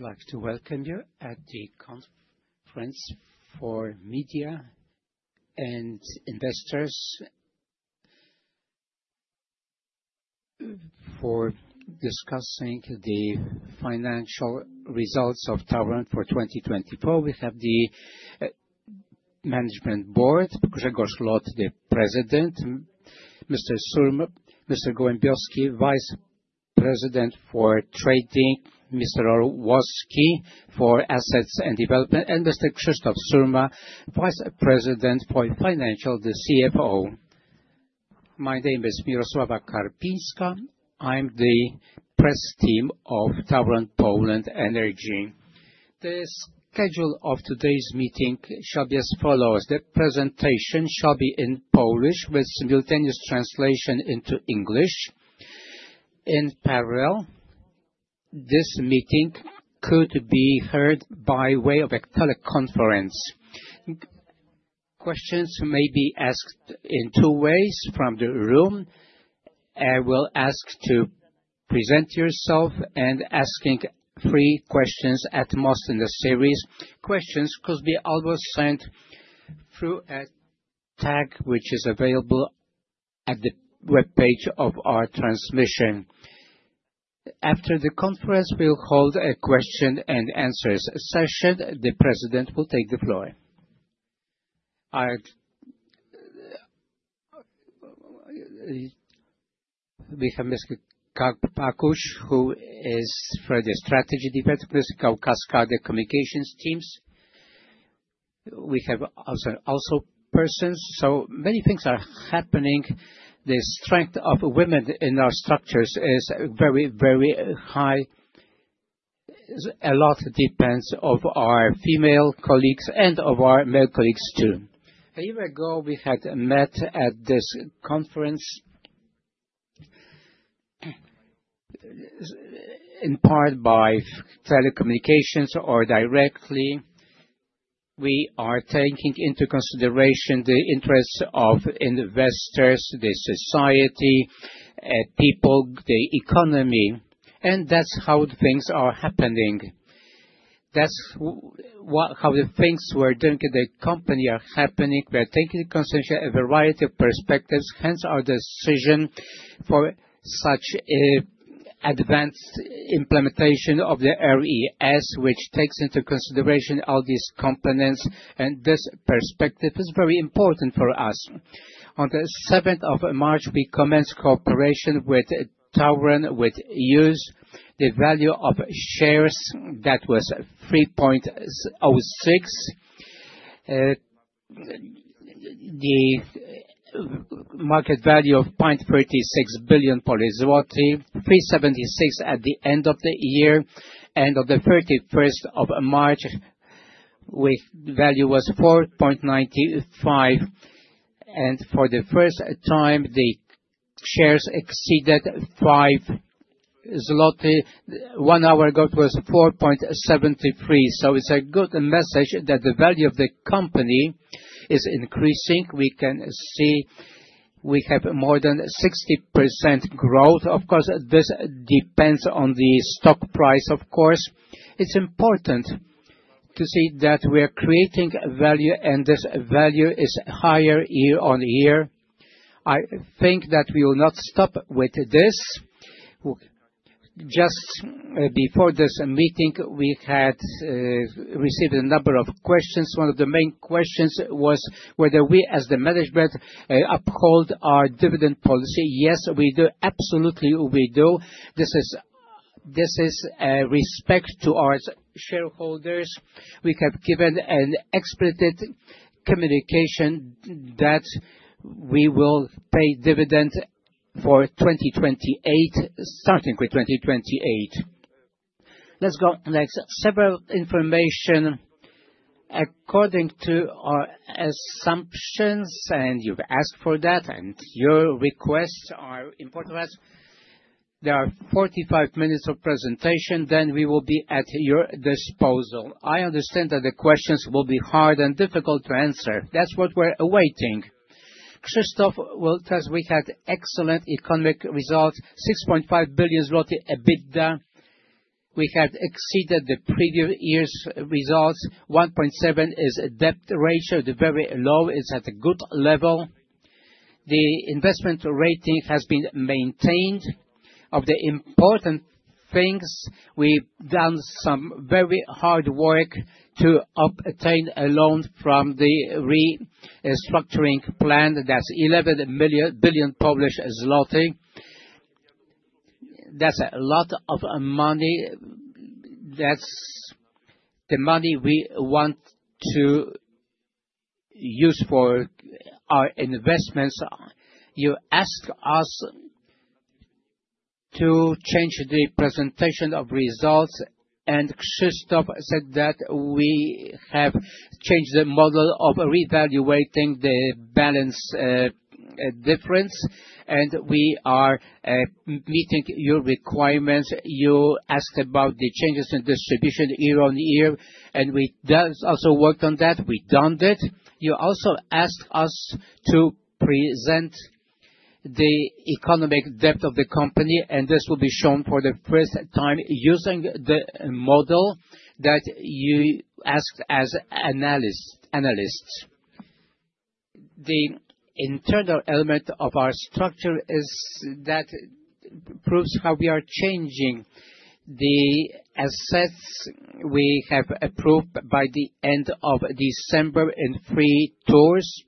I'd like to welcome you at the Conference for Media and Investors for Discussing the Financial Results of TAURON for 2024. We have the Management Board, Grzegorz Lot, the President; Mr. Gołębiowski, Vice President for Trading; Mr. Orłowski, for Assets and Development; and Mr. Krzysztof Surma, Vice President for Financial, the CFO. My name is Mirosława Karpińska. I'm the press team of TAURON Polska Energia. The schedule of today's meeting shall be as follows: the presentation shall be in Polish with simultaneous translation into English. In parallel, this meeting could be heard by way of a teleconference. Questions may be asked in two ways from the room. I will ask to present yourself and ask three questions at most in the series. Questions could be always sent through a tag which is available at the web page of our transmission. After the conference, we'll hold a question and answers session. The President will take the floor. We have Ms. Kapakusz, who is for the strategy department, Ms. Kaukaska of the communications teams. We have also persons. So many things are happening. The strength of women in our structures is very, very high. A lot depends on our female colleagues and on our male colleagues too. A year ago, we had met at this conference in part by telecommunications or directly. We are taking into consideration the interests of investors, the society, people, the economy. That is how things are happening. That is how the things we are doing at the company are happening. We are taking into consideration a variety of perspectives. Hence, our decision for such advanced implementation of the RES, which takes into consideration all these components. This perspective is very important for us. On the 7th of March, we commenced cooperation with TAURON, with use the value of shares that was 3.06, the market value of 0.36 billion, 376 at the end of the year. On the 31st of March, the value was 4.95. For the first time, the shares exceeded 5 zloty. One hour ago, it was 4.73. It is a good message that the value of the company is increasing. We can see we have more than 60% growth. Of course, this depends on the stock price, of course. It is important to see that we are creating value, and this value is higher year on year. I think that we will not stop with this. Just before this meeting, we had received a number of questions. One of the main questions was whether we, as the management, uphold our dividend policy. Yes, we do. Absolutely, we do. This is respect to our shareholders. We have given an explicit communication that we will pay dividend for 2028, starting with 2028. Let's go next. Several information. According to our assumptions, and you've asked for that, and your requests are important to us, there are 45 minutes of presentation. Then we will be at your disposal. I understand that the questions will be hard and difficult to answer. That's what we're awaiting. Krzysztof will tell us we had excellent economic results: 6.5 billion zloty EBITDA. We had exceeded the previous year's results. 1.7 is a debt ratio, the very low. It's at a good level. The investment rating has been maintained. Of the important things, we've done some very hard work to obtain a loan from the restructuring plan. That's 11 billion. That's a lot of money. That's the money we want to use for our investments. You asked us to change the presentation of results, and Krzysztof said that we have changed the model of reevaluating the balance difference, and we are meeting your requirements. You asked about the changes in distribution year on year, and we also worked on that. We done it. You also asked us to present the economic debt of the company, and this will be shown for the first time using the model that you asked as analysts. The internal element of our structure is that proves how we are changing the assets we have approved by the end of December in three tours.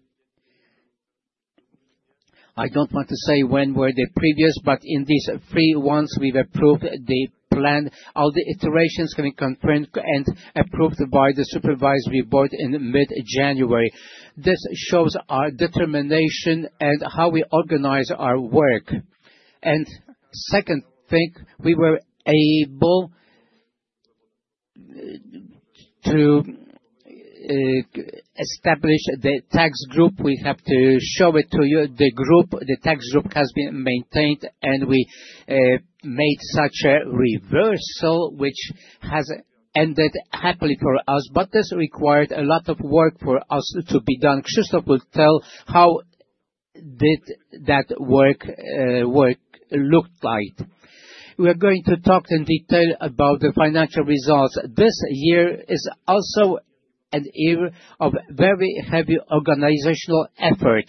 I do not want to say when were the previous, but in these three ones, we have approved the plan. All the iterations have been confirmed and approved by the supervisory board in mid-January. This shows our determination and how we organize our work. Second thing, we were able to establish the tax group. We have to show it to you. The tax group has been maintained, and we made such a reversal, which has ended happily for us. This required a lot of work for us to be done. Krzysztof will tell how that work looked like. We are going to talk in detail about the financial results. This year is also a year of very heavy organizational effort.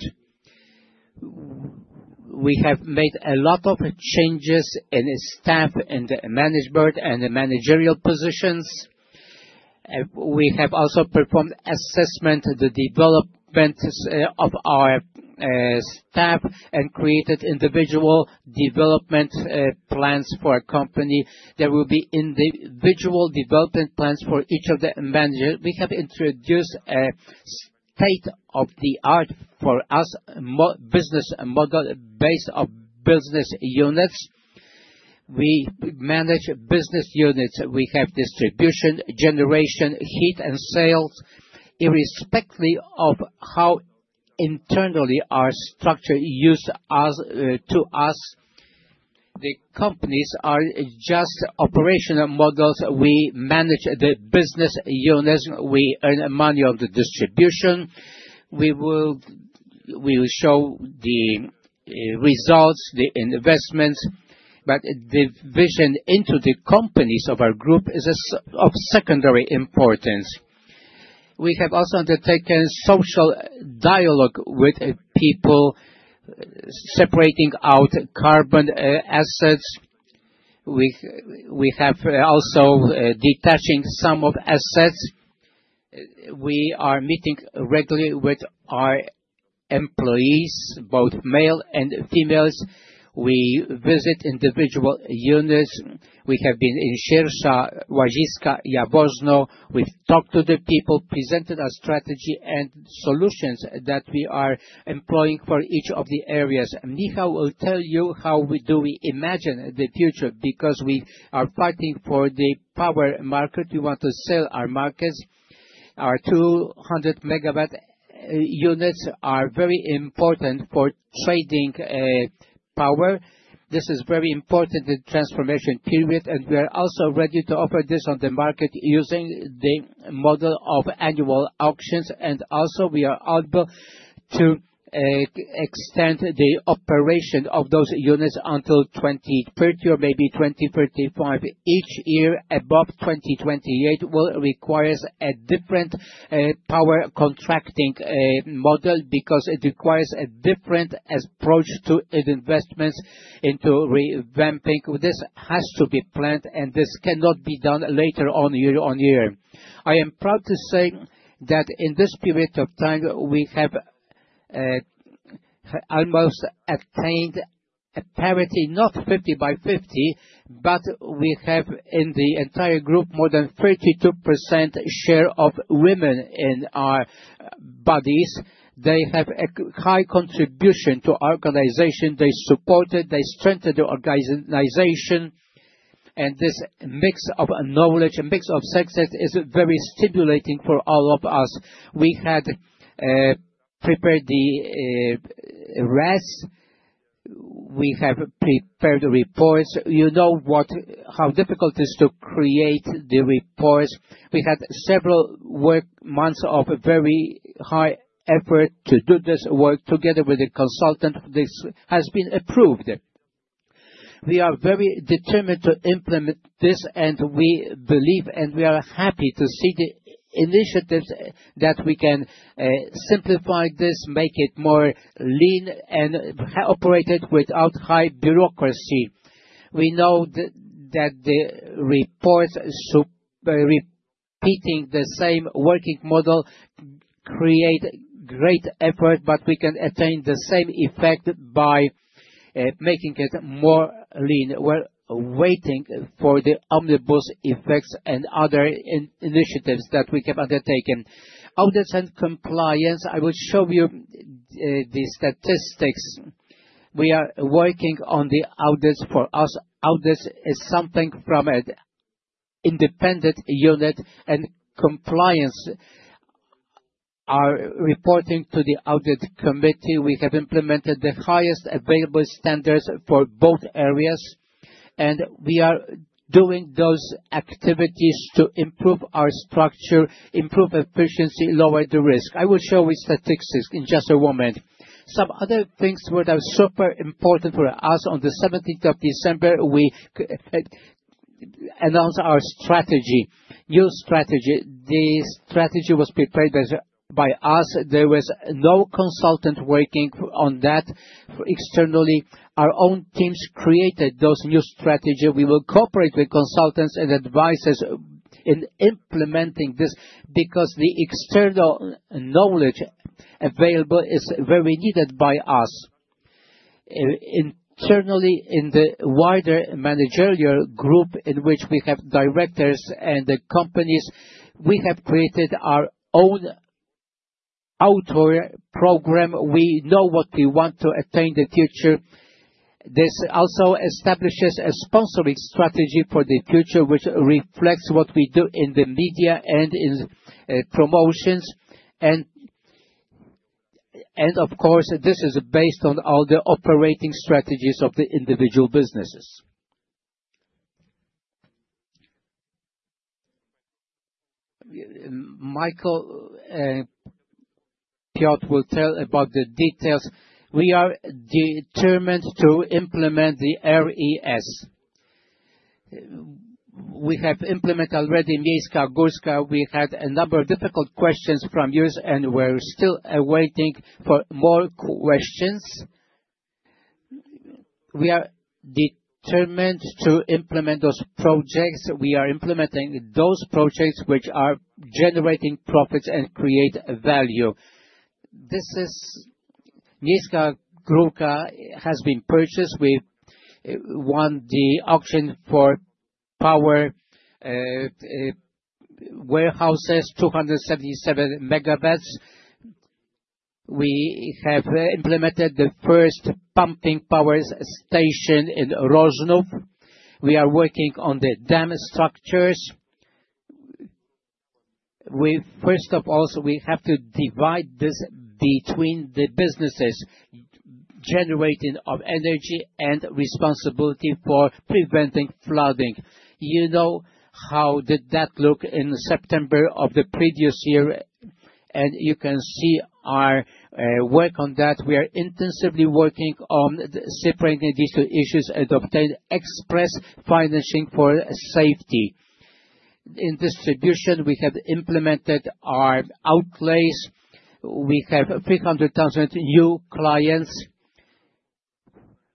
We have made a lot of changes in staff and management and managerial positions. We have also performed assessment, the development of our staff, and created individual development plans for a company. There will be individual development plans for each of the managers. We have introduced a state of the art for us, business model based on business units. We manage business units. We have distribution, generation, heat, and sales, irrespectively of how internally our structure used to us. The companies are just operational models. We manage the business units. We earn money on the distribution. We will show the results, the investments, but the vision into the companies of our group is of secondary importance. We have also undertaken social dialogue with people separating out carbon assets. We have also detaching some of assets. We are meeting regularly with our employees, both male and females. We visit individual units. We have been in Świercza, Łaziska, Jaworzno. We've talked to the people, presented our strategy and solutions that we are employing for each of the areas. Michał will tell you how we do imagine the future because we are fighting for the power market. We want to sell our markets. Our 200 megawatt units are very important for trading power. This is very important in the transformation period, and we are also ready to offer this on the market using the model of annual auctions. We are also able to extend the operation of those units until 2030 or maybe 2035. Each year above 2028 will require a different power contracting model because it requires a different approach to investments into revamping. This has to be planned, and this cannot be done later on year on year. I am proud to say that in this period of time, we have almost attained a parity, not 50 by 50, but we have in the entire group more than 32% share of women in our bodies. They have a high contribution to our organization. They supported, they strengthened the organization, and this mix of knowledge, a mix of success, is very stimulating for all of us. We had prepared the rest. We have prepared reports. You know how difficult it is to create the reports. We had several months of very high effort to do this work together with the consultant. This has been approved. We are very determined to implement this, and we believe, and we are happy to see the initiatives that we can simplify this, make it more lean, and operate it without high bureaucracy. We know that the reports repeating the same working model create great effort, but we can attain the same effect by making it more lean. We're waiting for the omnibus effects and other initiatives that we have undertaken. Audits and compliance. I will show you the statistics. We are working on the audits for us. Audits is something from an independent unit, and compliance are reporting to the audit committee. We have implemented the highest available standards for both areas, and we are doing those activities to improve our structure, improve efficiency, lower the risk. I will show you statistics in just a moment. Some other things were super important for us. On the 17th of December, we announced our strategy, new strategy. The strategy was prepared by us. There was no consultant working on that externally. Our own teams created those new strategies. We will cooperate with consultants and advisors in implementing this because the external knowledge available is very needed by us. Internally, in the wider managerial group, in which we have directors and companies, we have created our own outdoor program. We know what we want to attain in the future. This also establishes a sponsoring strategy for the future, which reflects what we do in the media and in promotions. Of course, this is based on all the operating strategies of the individual businesses. Piotr will tell about the details. We are determined to implement the RES. We have implemented already Miejska Górka. We had a number of difficult questions from you, and we're still awaiting for more questions. We are determined to implement those projects. We are implementing those projects which are generating profits and create value. Miejska Górka has been purchased. We won the auction for power warehouses, 277 megawatts. We have implemented the first pumping power station in Rożnów. We are working on the dam structures. First of all, we have to divide this between the businesses generating energy and responsibility for preventing flooding. You know how did that look in September of the previous year, and you can see our work on that. We are intensively working on separating these two issues and obtaining express financing for safety. In distribution, we have implemented our outlays. We have 300,000 new clients.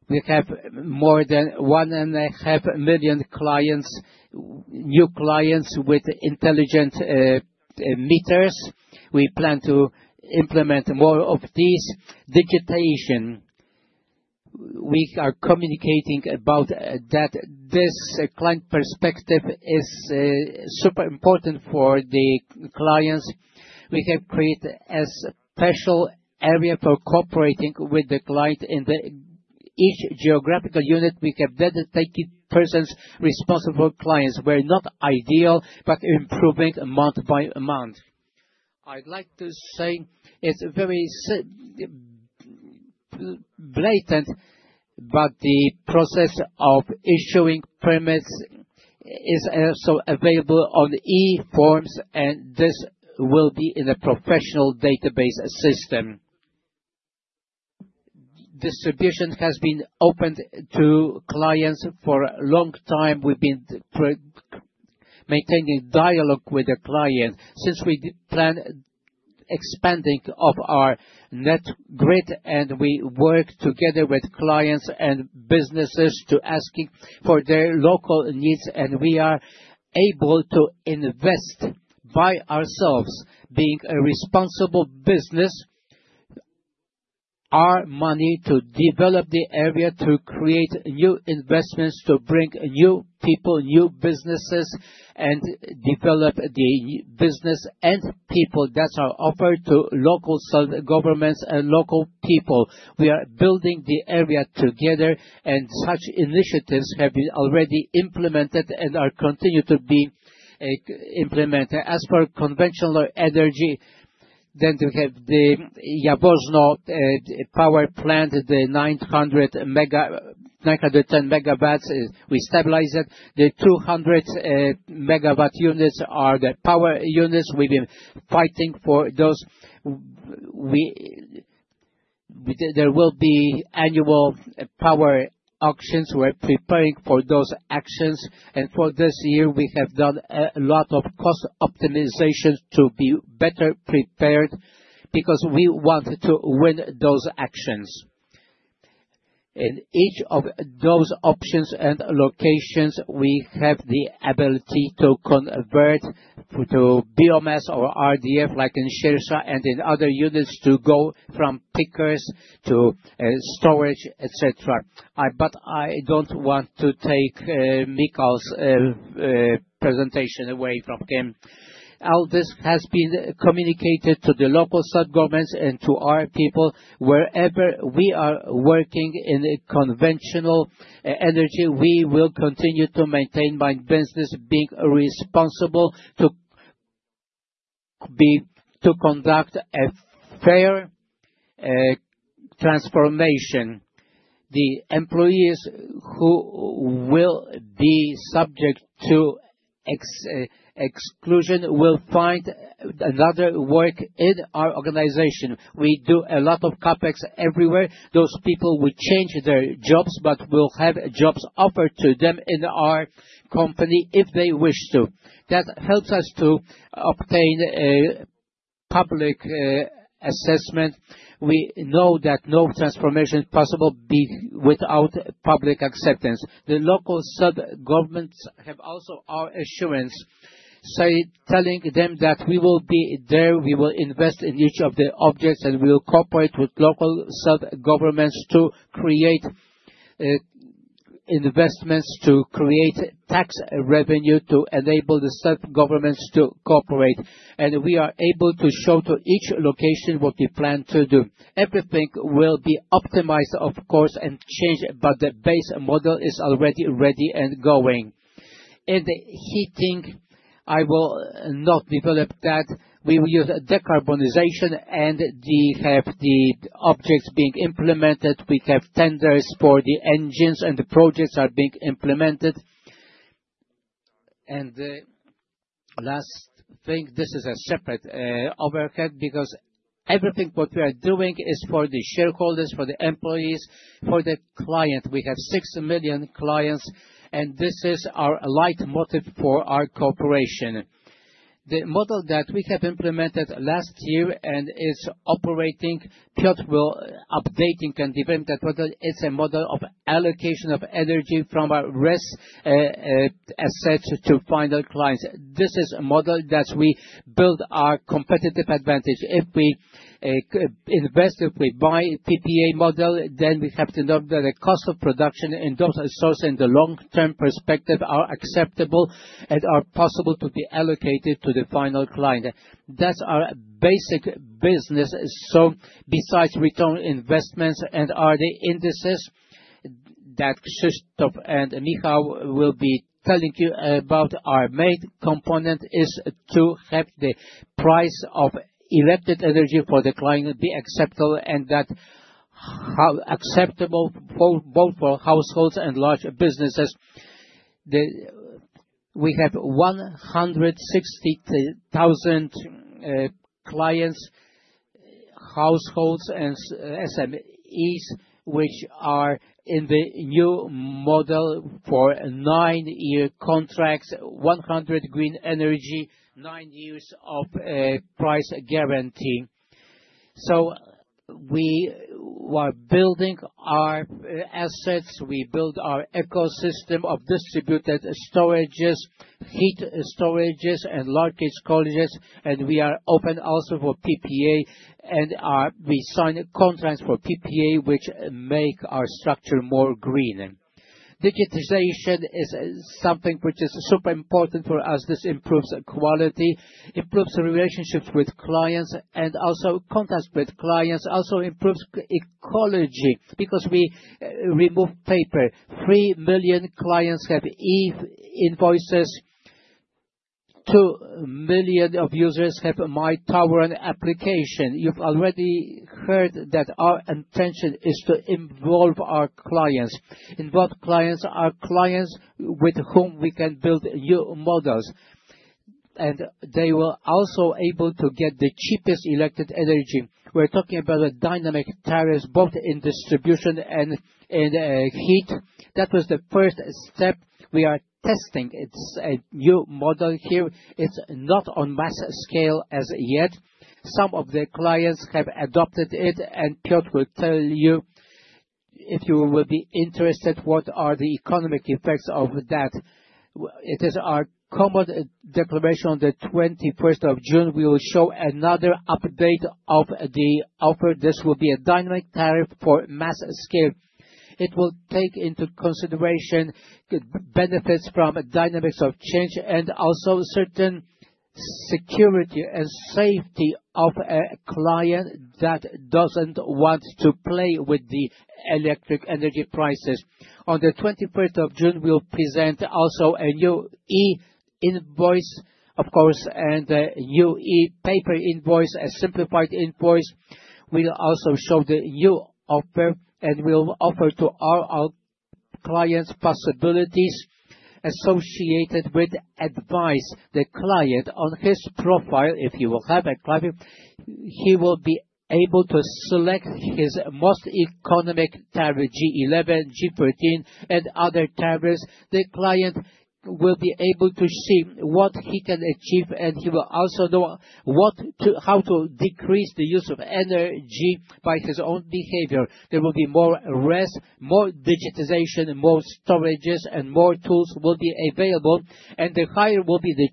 We have more than one and a half million new clients with intelligent meters. We plan to implement more of these digitization. We are communicating about that. This client perspective is super important for the clients. We have created a special area for cooperating with the client in each geographical unit. We have dedicated persons responsible for clients. We're not ideal, but improving month by month. I'd like to say it's very blatant, but the process of issuing permits is also available on e-forms, and this will be in a professional database system. Distribution has been opened to clients for a long time. have been maintaining dialogue with the client since we planned expanding of our net grid, and we work together with clients and businesses to ask for their local needs, and we are able to invest by ourselves, being a responsible business, our money to develop the area to create new investments, to bring new people, new businesses, and develop the business and people that are offered to local governments and local people. We are building the area together, and such initiatives have been already implemented and are continued to be implemented. As for conventional energy, we have the Jaworzno power plant, the 910 megawatts. We stabilize it. The 200 megawatt units are the power units. We have been fighting for those. There will be annual power auctions. We are preparing for those actions. For this year, we have done a lot of cost optimizations to be better prepared because we want to win those actions. In each of those options and locations, we have the ability to convert to BMS or RDF, like in Świercza, and in other units to go from pickers to storage, etc. I do not want to take Michał's presentation away from him. All this has been communicated to the local government and to our people. Wherever we are working in conventional energy, we will continue to maintain my business, being responsible to conduct a fair transformation. The employees who will be subject to exclusion will find another work in our organization. We do a lot of CAPEX everywhere. Those people will change their jobs, but we will have jobs offered to them in our company if they wish to. That helps us to obtain public assessment. We know that no transformation is possible without public acceptance. The local sub-governments have also our assurance, telling them that we will be there, we will invest in each of the objects, and we will cooperate with local sub-governments to create investments, to create tax revenue, to enable the sub-governments to cooperate. We are able to show to each location what we plan to do. Everything will be optimized, of course, and changed, but the base model is already ready and going. In the heating, I will not develop that. We will use decarbonization, and we have the objects being implemented. We have tenders for the engines, and the projects are being implemented. The last thing, this is a separate overhead because everything what we are doing is for the shareholders, for the employees, for the client. We have 6 million clients, and this is our leitmotif for our cooperation. The model that we have implemented last year and is operating, Piotr will update and develop that model. It's a model of allocation of energy from our RES assets to final clients. This is a model that we build our competitive advantage. If we invest, if we buy a PPA model, then we have to know that the cost of production and those sources in the long-term perspective are acceptable and are possible to be allocated to the final client. That's our basic business. Besides return on investments and all the indices that Krzysztof and Michał will be telling you about, our main component is to have the price of elected energy for the client be acceptable and that acceptable both for households and large businesses. We have 160,000 clients, households, and SMEs which are in the new model for nine-year contracts, 100% green energy, nine years of price guarantee. We are building our assets. We build our ecosystem of distributed storages, heat storages, and large-age colleges, and we are open also for PPA, and we sign contracts for PPA, which make our structure more green. Digitization is something which is super important for us. This improves quality, improves relationships with clients, and also contacts with clients. Also improves ecology because we remove paper. 3 million clients have e-invoices. 2 million of users have My TAURON application. You've already heard that our intention is to involve our clients. Involve clients, our clients with whom we can build new models, and they were also able to get the cheapest elected energy. We're talking about a dynamic tariff both in distribution and in heat. That was the first step. We are testing a new model here. It's not on mass scale as yet. Some of the clients have adopted it, and Piotr will tell you if you will be interested what are the economic effects of that. It is our common declaration on the 21st of June. We will show another update of the offer. This will be a dynamic tariff for mass scale. It will take into consideration benefits from dynamics of change and also certain security and safety of a client that doesn't want to play with the electric energy prices. On the 21st of June, we'll present also a new e-invoice, of course, and a new e-paper invoice, a simplified invoice. We'll also show the new offer, and we'll offer to all our clients possibilities associated with advice. The client on his profile, if he will have a client, he will be able to select his most economic tariff, G11, G13, and other tariffs. The client will be able to see what he can achieve, and he will also know how to decrease the use of energy by his own behavior. There will be more rest, more digitization, more storages, and more tools will be available, and the higher will be the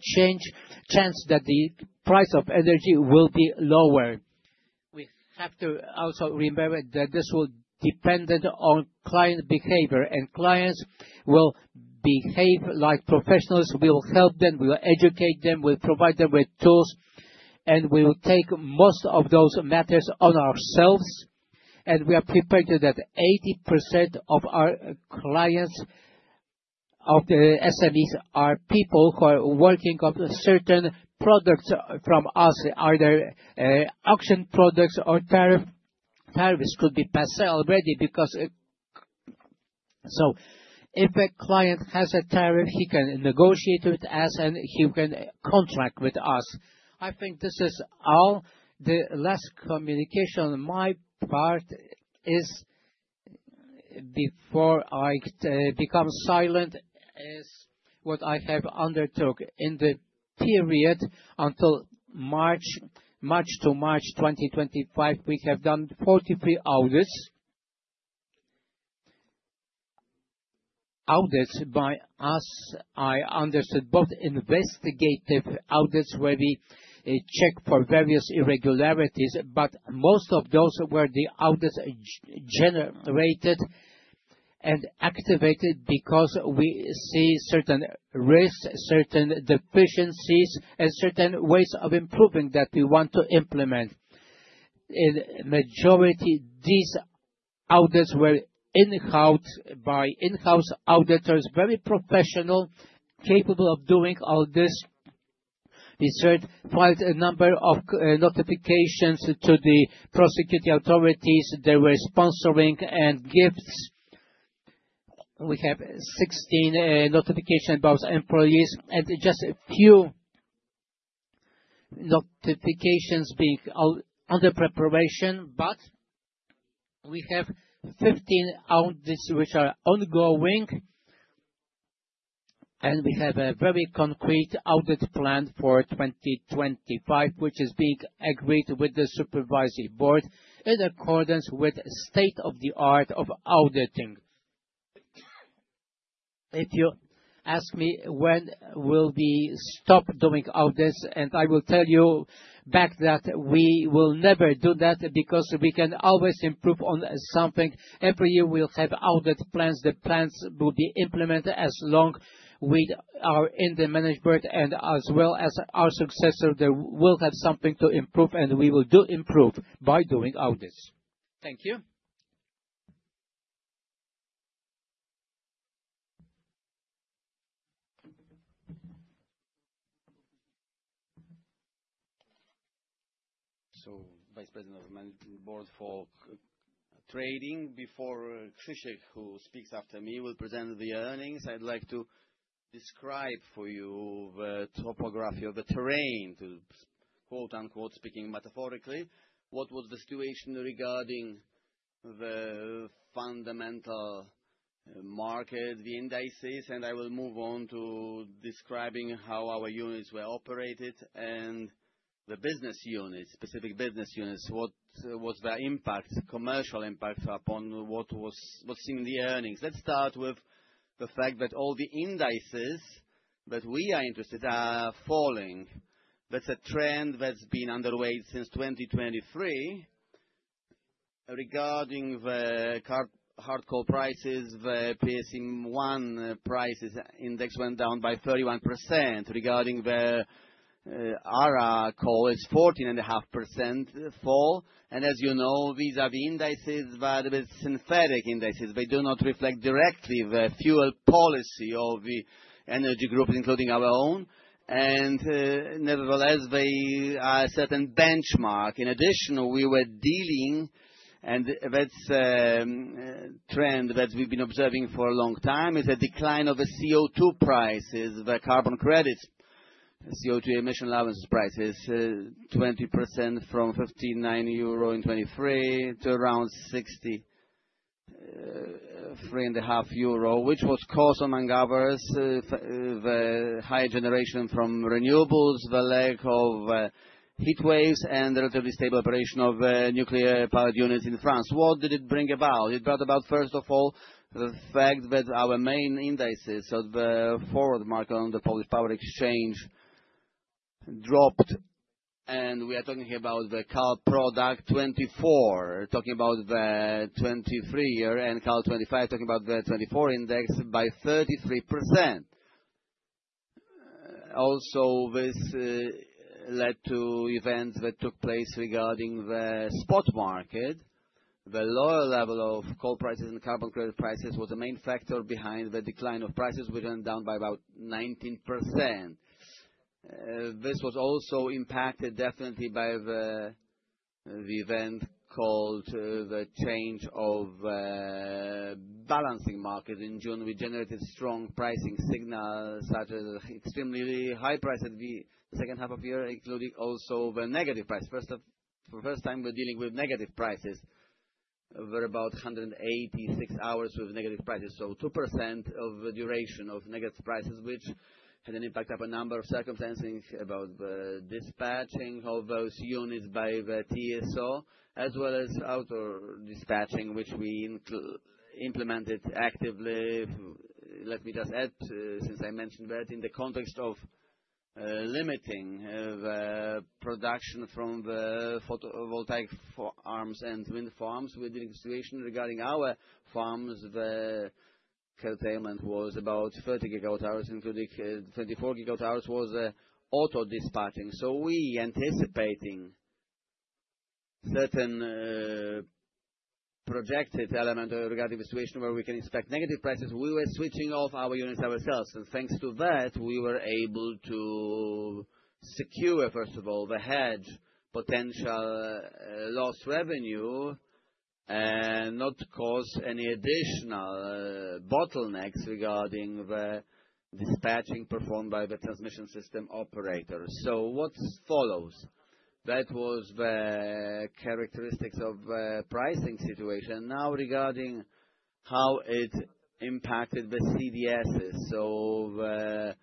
chance that the price of energy will be lower. We have to also remember that this will depend on client behavior, and clients will behave like professionals. We will help them. We will educate them. We will provide them with tools, and we will take most of those matters on ourselves. We are prepared to that 80% of our clients of the SMEs are people who are working on certain products from us, either auction products or tariffs. Tariffs could be passed already because if a client has a tariff, he can negotiate with us, and he can contract with us. I think this is all. The last communication on my part is before I become silent is what I have undertook in the period until March to March 2025. We have done 43 audits by us. I understood both investigative audits where we check for various irregularities, but most of those were the audits generated and activated because we see certain risks, certain deficiencies, and certain ways of improving that we want to implement. In majority, these audits were in-house auditors, very professional, capable of doing all this. We served quite a number of notifications to the prosecuting authorities. There were sponsoring and gifts. We have 16 notifications about employees, and just a few notifications being under preparation, but we have 15 audits which are ongoing, and we have a very concrete audit plan for 2025, which is being agreed with the supervisory board in accordance with state-of-the-art of auditing. If you ask me when we'll stop doing audits, I will tell you back that we will never do that because we can always improve on something. Every year we'll have audit plans. The plans will be implemented as long as we are in the management, and as well as our successor, there will have something to improve, and we will do improve by doing audits. Thank you. Vice` President of the Management Board for Trading, before Krzysztof, who speaks after me, will present the earnings, I'd like to describe for you the topography of the terrain, to quote unquote, speaking metaphorically. What was the situation regarding the fundamental market, the indices, and I will move on to describing how our units were operated and the business units, specific business units, what was the impact, commercial impact upon what was seen in the earnings. Let's start with the fact that all the indices that we are interested in are falling. That's a trend that's been underway since 2023. Regarding the hardcore prices, the PSM1 prices index went down by 31%. Regarding the ARA coal, it's a 14.5% fall. And as you know, these are the indices that are synthetic indices. They do not reflect directly the fuel policy of the energy group, including our own. Nevertheless, they are a certain benchmark. In addition, we were dealing, and that's a trend that we've been observing for a long time, is a decline of the CO2 prices, the carbon credits, CO2 emission allowance prices, 20% from 15 euro in 2023 to around 63.5 euro, which was caused on many factors: higher generation from renewables, the lack of heat waves, and relatively stable operation of nuclear-powered units in France. What did it bring about? It brought about, first of all, the fact that our main indices of the forward market on the Polish Power Exchange dropped, and we are talking here about the CALP product 24, talking about the 2023 year, and CALP 25, talking about the 2024 index by 33%. Also, this led to events that took place regarding the spot market. The lower level of coal prices and carbon credit prices was the main factor behind the decline of prices, which went down by about 19%. This was also impacted definitely by the event called the change of balancing market in June. We generated strong pricing signals such as extremely high prices the second half of the year, including also the negative prices. For the first time, we're dealing with negative prices. We're about 186 hours with negative prices, so 2% of the duration of negative prices, which had an impact on a number of circumstances, about the dispatching of those units by the TSO, as well as outdoor dispatching, which we implemented actively. Let me just add, since I mentioned that in the context of limiting the production from the photovoltaic farms and wind farms, we're dealing with a situation regarding our farms. The curtailment was about 30 gigawatt hours, including 24 gigawatt hours was auto dispatching. We are anticipating certain projected elements regarding the situation where we can expect negative prices. We were switching off our units ourselves. Thanks to that, we were able to secure, first of all, the hedge potential lost revenue and not cause any additional bottlenecks regarding the dispatching performed by the transmission system operators. What follows? That was the characteristics of the pricing situation. Now, regarding how it impacted the CDSs, so the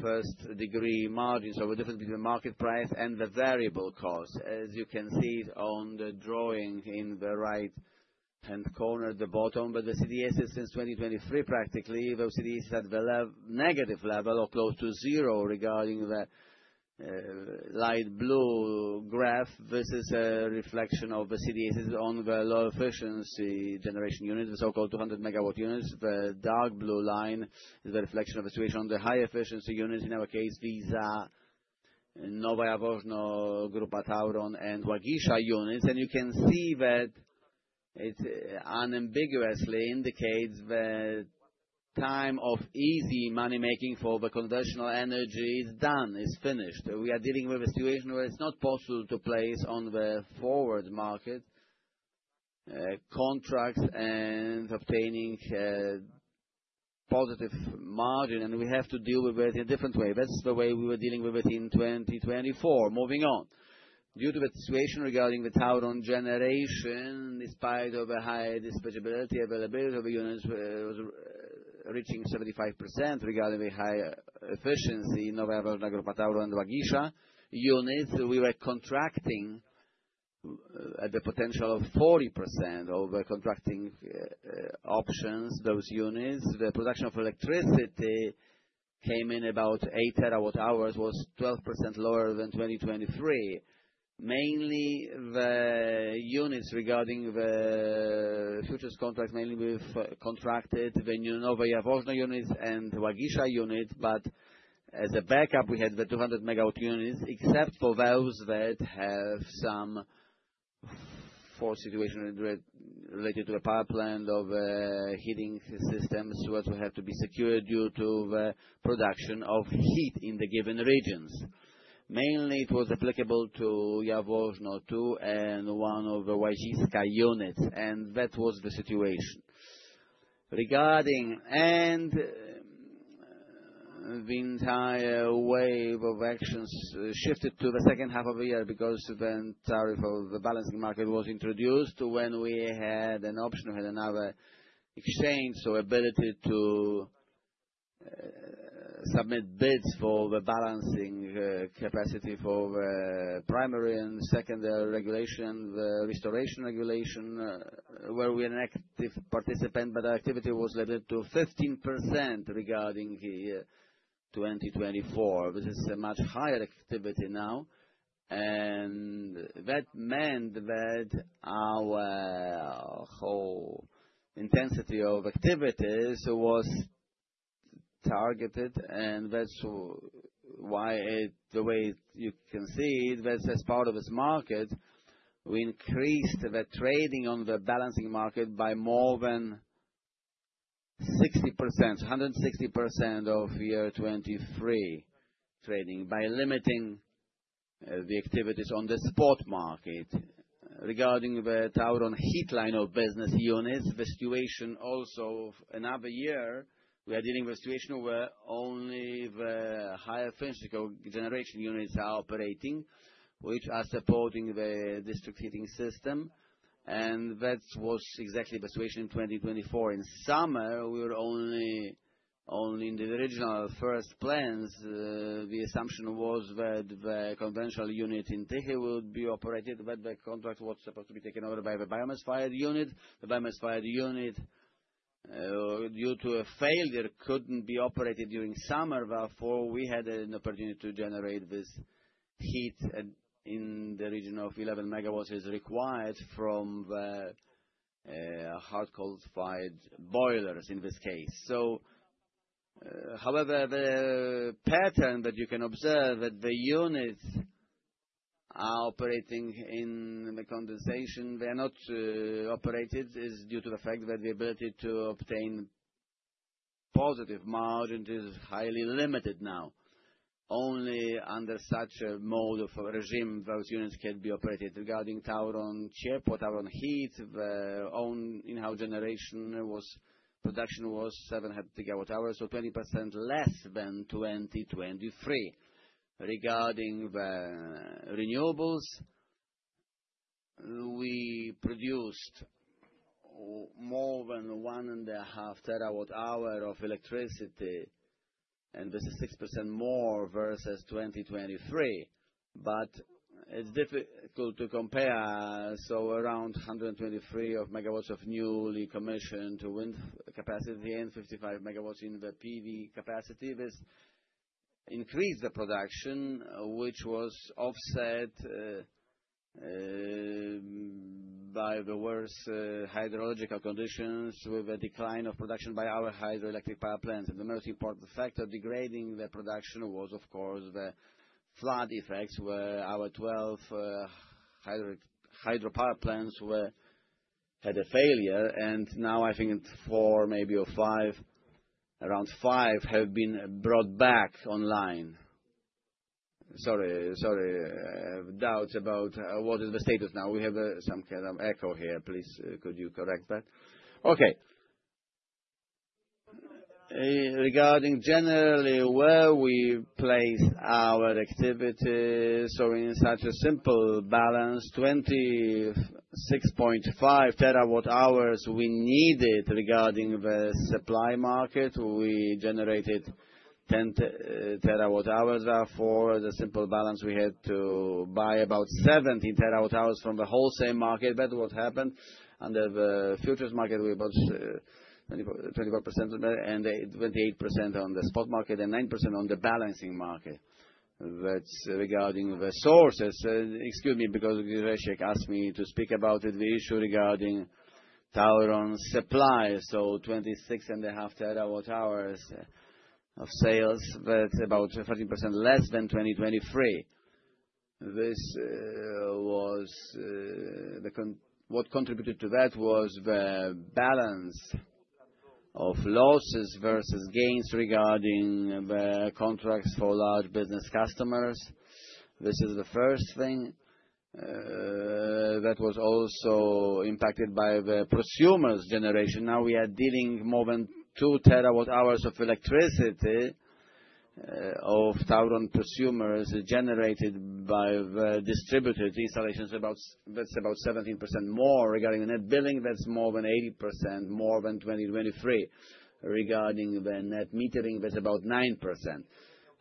first-degree margins or the difference between the market price and the variable cost, as you can see on the drawing in the right-hand corner, the bottom, but the CDSs since 2023, practically, the CDSs at the negative level or close to zero regarding the light blue graph versus a reflection of the CDSs on the low-efficiency generation units, the so-called 200 megawatt units. The dark blue line is the reflection of the situation on the high-efficiency units. In our case, these are Nowe Jaworzno, Grupa TAURON, and Łagisza units. You can see that it unambiguously indicates the time of easy money-making for the conventional energy is done, is finished. We are dealing with a situation where it's not possible to place on the forward market contracts and obtaining a positive margin, and we have to deal with it in a different way. That's the way we were dealing with it in 2024. Moving on. Due to the situation regarding the TAURON generation, in spite of a high dispatchability, availability of the units was reaching 75% regarding the high-efficiency Nowe Jaworzno, Grupa TAURON, and Łagisza units. We were contracting at the potential of 40% of contracting options, those units. The production of electricity came in about 8 terawatt hours, was 12% lower than 2023. Mainly, the units regarding the futures contracts mainly contracted the Nowe Jaworzno units and Łaziska units, but as a backup, we had the 200 megawatt units, except for those that have some situation related to a power plant or heating systems that would have to be secured due to the production of heat in the given regions. Mainly, it was applicable to Jaworzno 2 and one of the Łaziska units, and that was the situation. Regarding the entire wave of actions shifted to the second half of the year because the tariff of the balancing market was introduced when we had an option to have another exchange, so ability to submit bids for the balancing capacity for the primary and secondary regulation, the restoration regulation, where we were an active participant, but our activity was limited to 15% regarding 2024. This is a much higher activity now, and that meant that our whole intensity of activities was targeted, and that's why the way you can see that as part of this market, we increased the trading on the balancing market by more than 60%, 160% of year 2023 trading by limiting the activities on the spot market. Regarding the TAURON heat line of business units, the situation also another year, we are dealing with a situation where only the high-efficiency generation units are operating, which are supporting the district heating system, and that was exactly the situation in 2024. In summer, we were only in the original first plans. The assumption was that the conventional unit in Tychy would be operated, but the contract was supposed to be taken over by the biomass-fired unit. The biomass-fired unit, due to a failure, could not be operated during summer. Therefore, we had an opportunity to generate this heat in the region of 11 megawatts as required from the hard-coal-fired boilers in this case. However, the pattern that you can observe that the units are operating in the condensation, they are not operated is due to the fact that the ability to obtain positive margin is highly limited now. Only under such a mode of regime, those units can be operated. Regarding TAURON Heat, the own in-house generation production was 700 gigawatt hours, so 20% less than 2023. Regarding the renewables, we produced more than 1.5 terawatt hour of electricity, and this is 6% more versus 2023. It's difficult to compare, so around 123 MW of newly commissioned wind capacity and 55 MW in the PV capacity increased the production, which was offset by the worse hydrological conditions with a decline of production by our hydroelectric power plants. The most important factor degrading the production was, of course, the flood effects where our 12 hydro power plants had a failure, and now I think four, maybe five, around five have been brought back online. Sorry, sorry, doubts about what is the status now. We have some kind of echo here. Please, could you correct that? Okay. Regarding generally where we place our activity, in such a simple balance, 26.5 TWh we needed regarding the supply market. We generated 10 TWh. Therefore, the simple balance, we had to buy about 70 TWh from the wholesale market. That's what happened. Under the futures market, we bought 24% and 28% on the spot market and 9% on the balancing market. That is regarding the sources. Excuse me, because Krzysztof asked me to speak about the issue regarding TAURON supply. 26.5 terawatt hours of sales, that is about 13% less than 2023. What contributed to that was the balance of losses versus gains regarding the contracts for large business customers. This is the first thing that was also impacted by the prosumers' generation. Now, we are dealing more than 2 terawatt hours of electricity of TAURON prosumers generated by the distributed installations. That is about 17% more regarding the net billing. That is more than 80% more than 2023. Regarding the net metering, that is about 9%.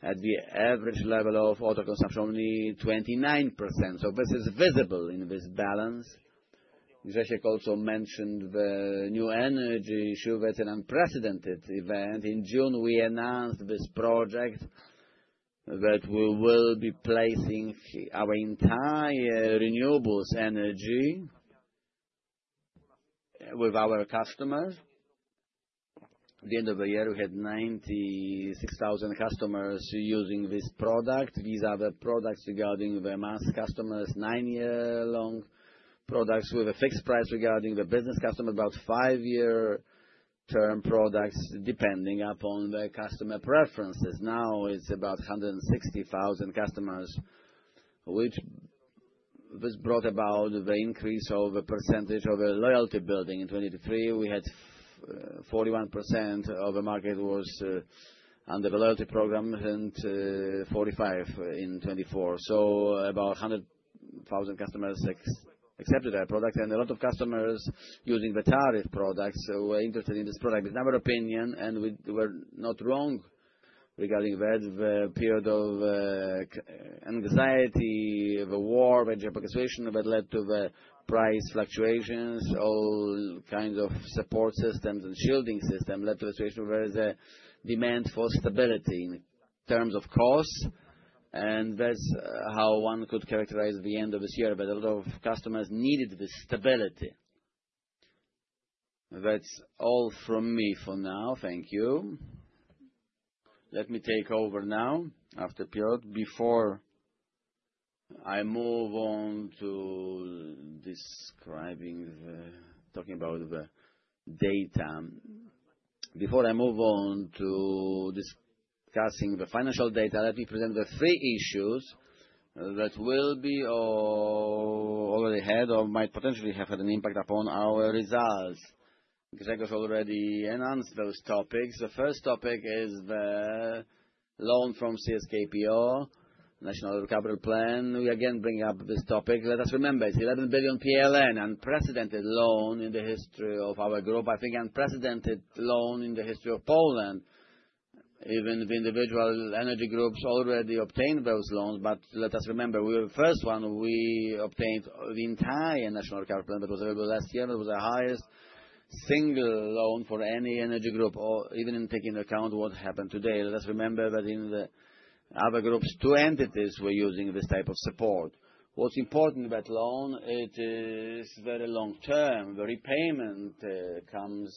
At the average level of auto consumption, only 29%. This is visible in this balance. Krzysztof also mentioned the new energy issue. That is an unprecedented event. In June, we announced this project that we will be placing our entire renewables energy with our customers. At the end of the year, we had 96,000 customers using this product. These are the products regarding the mass customers, 9-year-long products with a fixed price regarding the business customers, about 5-year-term products depending upon the customer preferences. Now, it's about 160,000 customers, which has brought about the increase of a percentage of loyalty building in 2023. We had 41% of the market was under the loyalty program and 45% in 2024. About 100,000 customers accepted our products, and a lot of customers using the tariff products were interested in this product. It's in our opinion, and we were not wrong regarding that period of anxiety, the war, regional persuasion, that led to the price fluctuations. All kinds of support systems and shielding systems led to a situation where the demand for stability in terms of costs, and that's how one could characterize the end of this year. A lot of customers needed this stability. That's all from me for now. Thank you. Let me take over now after the period before I move on to describing the talking about the data. Before I move on to discussing the financial data, let me present the three issues that will be already ahead or might potentially have an impact upon our results. Grzegorz already announced those topics. The first topic is the loan from CSKPO, National Recovery Plan. We again bring up this topic. Let us remember, it's 11 billion PLN, unprecedented loan in the history of our group. I think unprecedented loan in the history of Poland. Even the individual energy groups already obtained those loans, but let us remember, we were the first one. We obtained the entire National Recovery Plan that was available last year. It was the highest single loan for any energy group, even taking into account what happened today. Let us remember that in the other groups, two entities were using this type of support. What's important about loan, it is very long-term. The repayment comes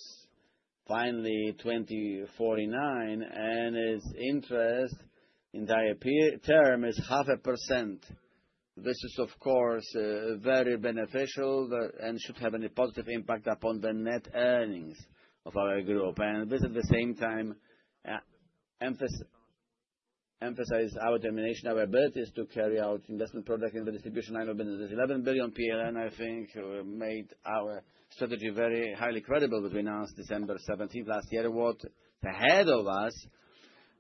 finally 2049, and its interest in the higher term is 0.5%. This is, of course, very beneficial and should have a positive impact upon the net earnings of our group. This at the same time emphasizes our determination, our abilities to carry out investment product in the distribution line of business. This 11 billion PLN, I think, made our strategy very highly credible. We announced December 17th last year what ahead of us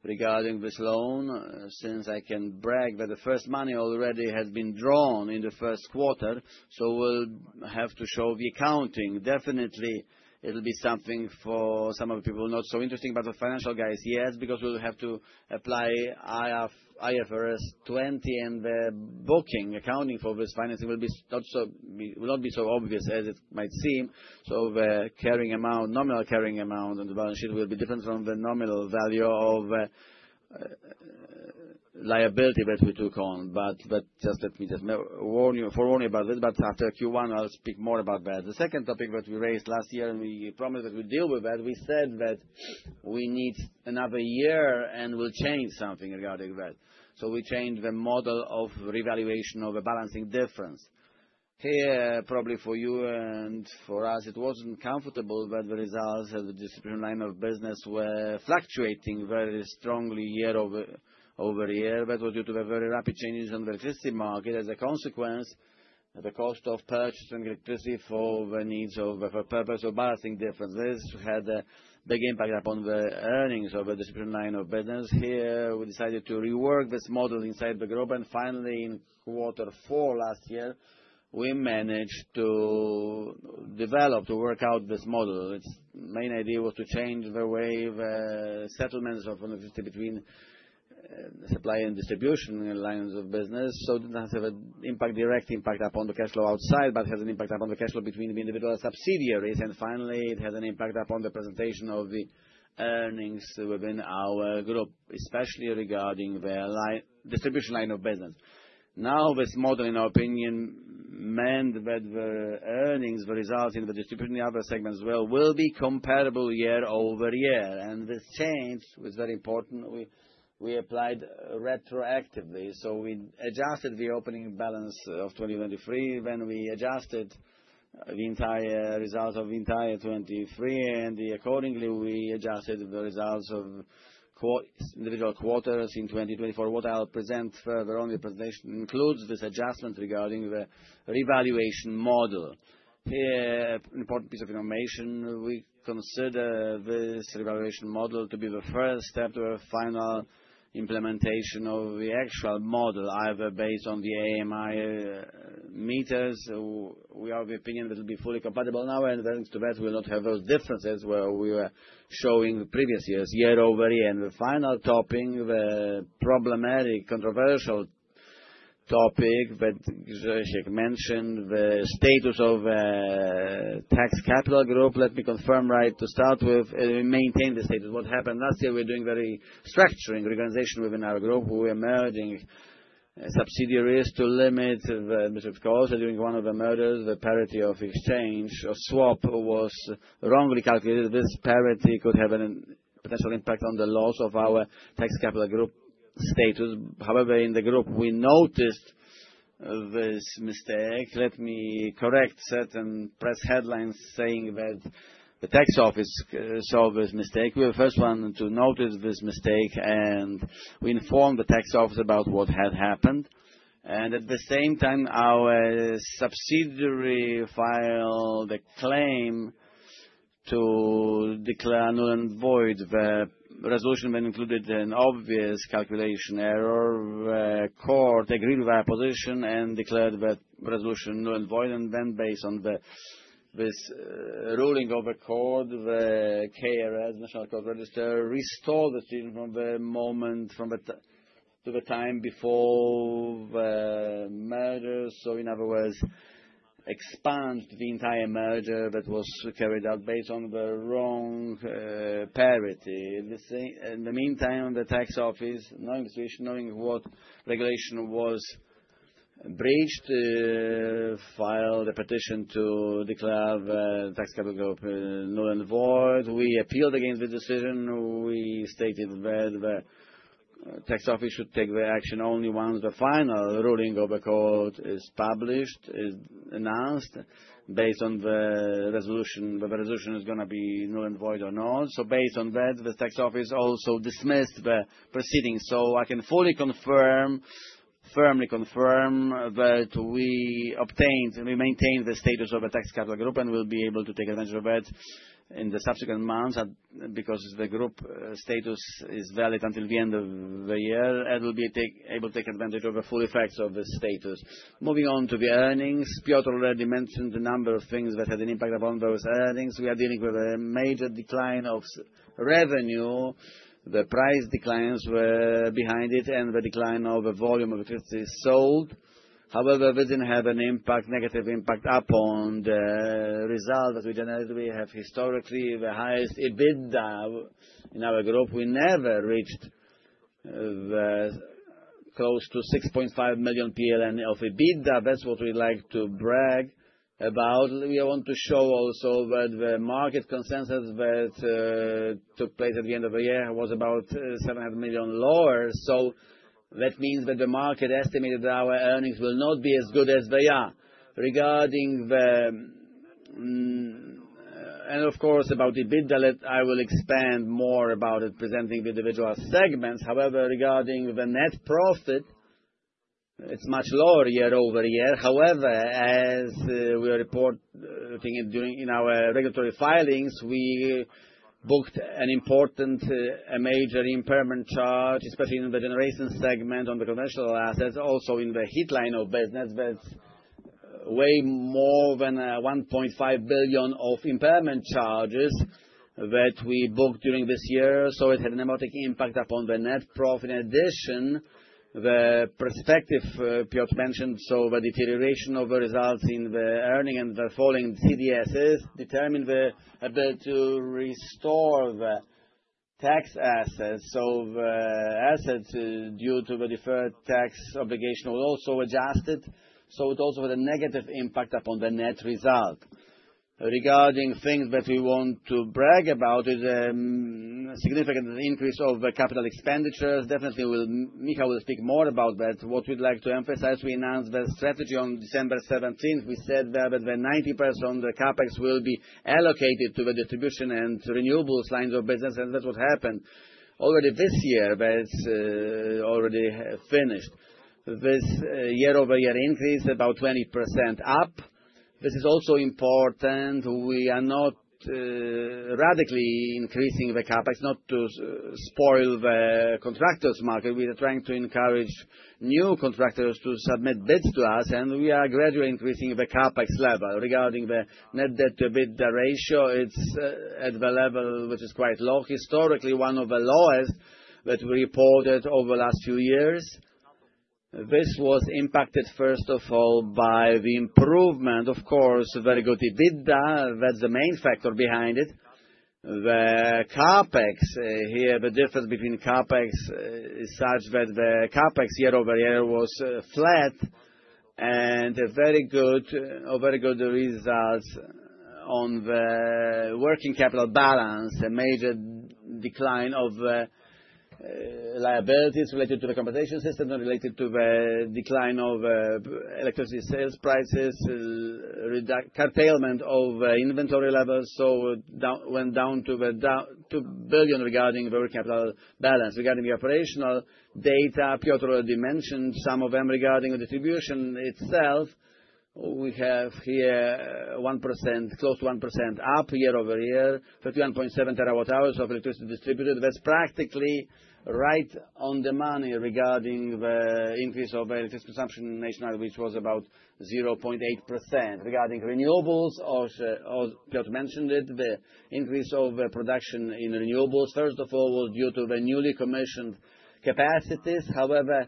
regarding this loan, since I can brag that the first money already has been drawn in the first quarter. We'll have to show the accounting. Definitely, it'll be something for some of the people not so interesting, but the financial guys, yes, because we'll have to apply IFRS 20, and the booking accounting for this financing will not be so obvious as it might seem. The carrying amount, nominal carrying amount, and the balance sheet will be different from the nominal value of liability that we took on. Just let me warn you about this, but after Q1, I'll speak more about that. The second topic that we raised last year, and we promised that we'd deal with that, we said that we need another year and we'll change something regarding that. We changed the model of revaluation of a balancing difference. Here, probably for you and for us, it was not comfortable, but the results of the distribution line of business were fluctuating very strongly year over year. That was due to the very rapid changes in the electricity market. As a consequence, the cost of purchasing electricity for the needs of the purpose of balancing differences had a big impact upon the earnings of the distribution line of business. Here, we decided to rework this model inside the group, and finally, in quarter four last year, we managed to develop, to work out this model. Its main idea was to change the way the settlements of between supply and distribution lines of business. It does not have a direct impact upon the cash flow outside, but it has an impact upon the cash flow between the individual subsidiaries. Finally, it has an impact upon the presentation of the earnings within our group, especially regarding the distribution line of business. Now, this model, in our opinion, meant that the earnings, the results in the distribution, the other segments will be comparable year over year. This change was very important. We applied retroactively. We adjusted the opening balance of 2023 when we adjusted the entire result of the entire 2023, and accordingly, we adjusted the results of individual quarters in 2024. What I'll present further on in the presentation includes this adjustment regarding the revaluation model. Here, an important piece of information. We consider this revaluation model to be the first step to a final implementation of the actual model, either based on the AMI meters. We are of the opinion that it'll be fully compatible now, and thanks to that, we'll not have those differences where we were showing previous years, year over year. The final topic, the problematic, controversial topic that Krzysztof mentioned, the status of the tax capital group. Let me confirm right to start with. We maintained the status. What happened last year? We're doing very structuring organization within our group. We were merging subsidiaries to limit the administrative costs. During one of the mergers, the parity of exchange or swap was wrongly calculated. This parity could have a potential impact on the loss of our tax capital group status. However, in the group, we noticed this mistake. Let me correct certain press headlines saying that the tax office saw this mistake. We were the first one to notice this mistake, and we informed the tax office about what had happened. At the same time, our subsidiary filed a claim to declare null and void. The resolution included an obvious calculation error. The court agreed with our position and declared the resolution null and void. Based on this ruling of the court, the KRS, National Court Register, restored the decision from the moment to the time before the merger. In other words, expanded the entire merger that was carried out based on the wrong parity. In the meantime, the tax office, knowing the situation, knowing what regulation was breached, filed a petition to declare the tax capital group null and void. We appealed against the decision. We stated that the tax office should take the action only once the final ruling of the court is published, is announced, based on the resolution whether the resolution is going to be null and void or not. Based on that, the tax office also dismissed the proceedings. I can fully confirm, firmly confirm that we obtained and we maintained the status of the tax capital group and will be able to take advantage of that in the subsequent months because the group status is valid until the end of the year. It will be able to take advantage of the full effects of the status. Moving on to the earnings, Piotr already mentioned a number of things that had an impact upon those earnings. We are dealing with a major decline of revenue. The price declines were behind it and the decline of the volume of electricity sold. However, that did not have a negative impact upon the result that we generated. We have historically the highest EBITDA in our group. We never reached close to 6.5 million PLN of EBITDA. That's what we like to brag about. We want to show also that the market consensus that took place at the end of the year was about 700 million lower. That means that the market estimated that our earnings will not be as good as they are. Regarding the, and of course, about EBITDA, I will expand more about it presenting the individual segments. However, regarding the net profit, it's much lower year over year. However, as we are reporting in our regulatory filings, we booked an important major impairment charge, especially in the generation segment on the conventional assets, also in the heat line of business. That is way more than 1.5 billion of impairment charges that we booked during this year. It had an emerging impact upon the net profit. In addition, the perspective Piotr mentioned, so the deterioration of the results in the earning and the falling CDSs determined the ability to restore the tax assets. The assets due to the deferred tax obligation were also adjusted. It also had a negative impact upon the net result. Regarding things that we want to brag about, it's a significant increase of capital expenditures. Definitely, Micha will speak more about that. What we'd like to emphasize, we announced the strategy on December 17th. We said there that 90% of the CAPEX will be allocated to the distribution and renewables lines of business, and that's what happened already this year. That's already finished. This year-over-year increase is about 20% up. This is also important. We are not radically increasing the CAPEX, not to spoil the contractors' market. We are trying to encourage new contractors to submit bids to us, and we are gradually increasing the CAPEX level. Regarding the net debt-to-EBITDA ratio, it is at the level which is quite low, historically one of the lowest that we reported over the last few years. This was impacted, first of all, by the improvement, of course, of very good EBITDA. That is the main factor behind it. The CAPEX here, the difference between CAPEX is such that the CAPEX year-over-year was flat and very good, very good results on the working capital balance. A major decline of liabilities related to the compensation system and related to the decline of electricity sales prices, curtailment of inventory levels. Went down to 2 billion regarding the working capital balance. Regarding the operational data, Piotr already mentioned some of them regarding the distribution itself. We have here 1%, close to 1% up year-over-year, 31.7 terawatt-hours of electricity distributed. That's practically right on the money regarding the increase of electricity consumption nationwide, which was about 0.8%. Regarding renewables, Piotr mentioned it, the increase of production in renewables, first of all, was due to the newly commissioned capacities. However,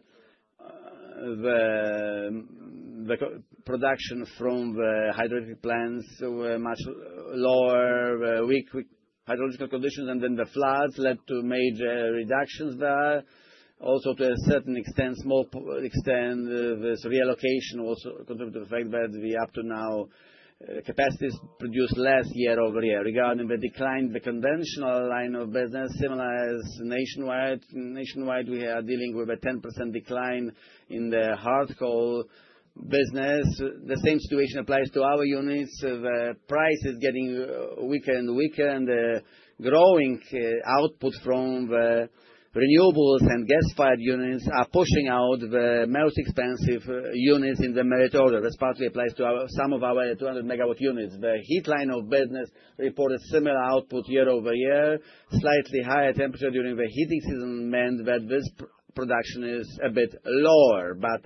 the production from the hydroelectric plants was much lower, weak hydrological conditions, and then the floods led to major reductions there. Also, to a certain extent, small extent, this reallocation was contributed to the fact that we up to now capacities produced less year-over-year. Regarding the decline in the conventional line of business, similar as nationwide, we are dealing with a 10% decline in the hardcore business. The same situation applies to our units. The price is getting weaker and weaker, and the growing output from the renewables and gas-fired units are pushing out the most expensive units in the merit order. This partly applies to some of our 200 megawatt units. The heat line of business reported similar output year-over-year. Slightly higher temperature during the heating season meant that this production is a bit lower, but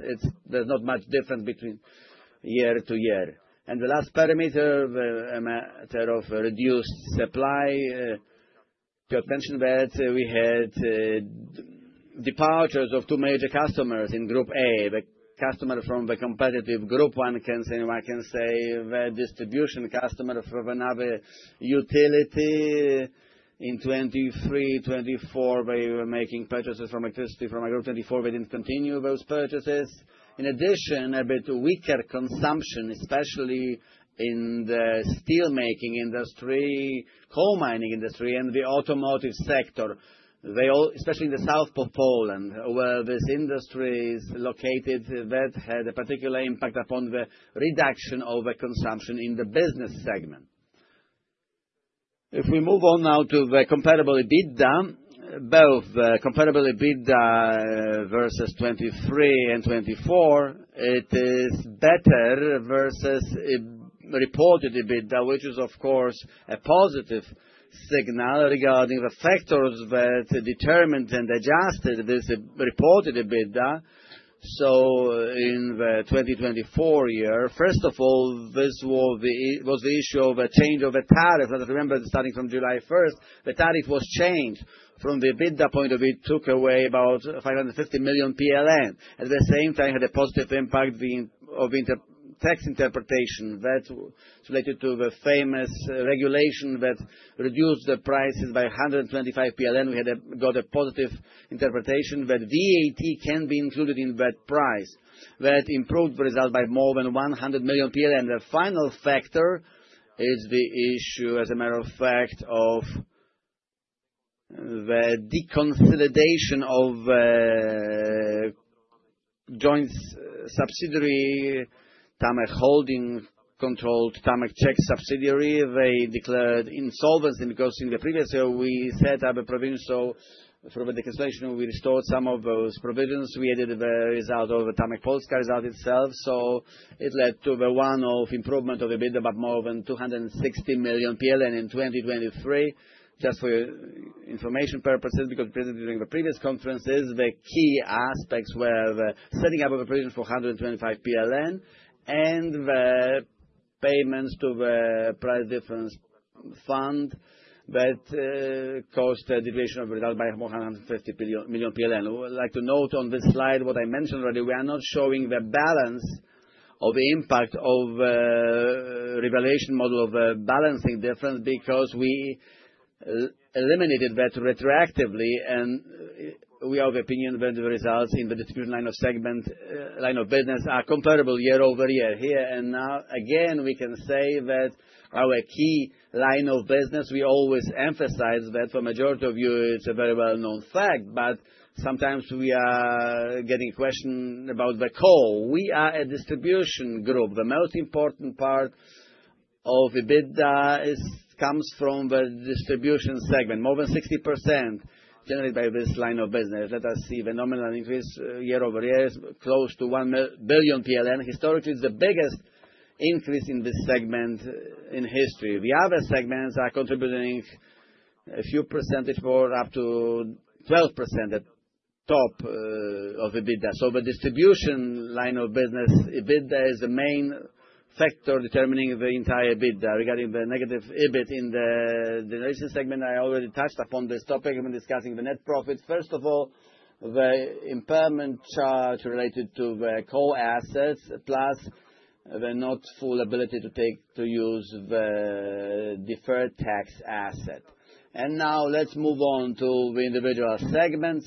there is not much difference between year to year. The last parameter, the matter of reduced supply, Piotr mentioned that we had departures of two major customers in Group A. The customer from the competitive Group 1, I can say, the distribution customer from another utility. In 2023, 2024, we were making purchases from electricity from a Group 24. We did not continue those purchases. In addition, a bit weaker consumption, especially in the steelmaking industry, coal mining industry, and the automotive sector, especially in the south of Poland, where this industry is located, that had a particular impact upon the reduction of consumption in the business segment. If we move on now to the comparable EBITDA, both the comparable EBITDA versus 2023 and 2024, it is better versus reported EBITDA, which is, of course, a positive signal regarding the factors that determined and adjusted this reported EBITDA. In the 2024 year, first of all, this was the issue of a change of the tariff. As I remember, starting from July 1, the tariff was changed. From the EBITDA point of view, it took away about 550 million PLN. At the same time, it had a positive impact of tax interpretation that related to the famous regulation that reduced the prices by 125 PLN. We had got a positive interpretation that VAT can be included in that price, that improved the result by more than 100 million. The final factor is the issue, as a matter of fact, of the deconsolidation of joint subsidiary, TAMEH Holding, controlled TAMEH Czech subsidiary. They declared insolvency because in the previous year, we set up a provision. Through the consolidation, we restored some of those provisions. We added the result of TAMEH Polska result itself. It led to the one-off improvement of EBITDA by more than 260 million PLN in 2023. Just for information purposes, because we presented during the previous conferences, the key aspects were the setting up of a provision for 125 million PLN and the payments to the price difference fund that caused the deviation of the result by more than 150 million PLN. I'd like to note on this slide what I mentioned already. We are not showing the balance of impact of the revaluation model of balancing difference because we eliminated that retroactively. We are of the opinion that the results in the distribution line of business are comparable year-over-year. Here and now, again, we can say that our key line of business, we always emphasize that for the majority of you, it's a very well-known fact, but sometimes we are getting questions about the call. We are a distribution group. The most important part of EBITDA comes from the distribution segment. More than 60% generated by this line of business. Let us see phenomenal increase year-over-year, close to 1 billion PLN. Historically, it's the biggest increase in this segment in history. The other segments are contributing a few percentage points, up to 12% at the top of EBITDA. The distribution line of business, EBITDA is the main factor determining the entire EBITDA. Regarding the negative EBIT in the generation segment, I already touched upon this topic. We're discussing the net profit. First of all, the impairment charge related to the coal assets, plus the not full ability to use the deferred tax asset. Now, let's move on to the individual segments.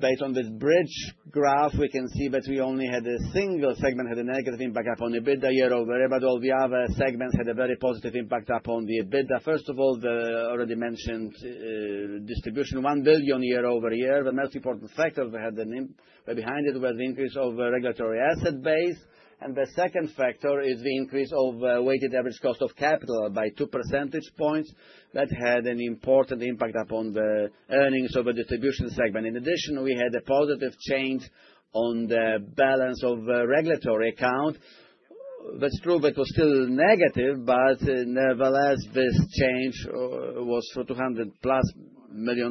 Based on this bridge graph, we can see that we only had a single segment that had a negative impact upon EBITDA year-over-year, but all the other segments had a very positive impact upon the EBITDA. First of all, the already mentioned distribution, 1 billion year-over-year. The most important factor behind it was the increase of the regulatory asset base. The second factor is the increase of the weighted average cost of capital by 2 percentage points. That had an important impact upon the earnings of the distribution segment. In addition, we had a positive change on the balance of the regulatory account. That's true, but it was still negative. Nevertheless, this change was from 200 million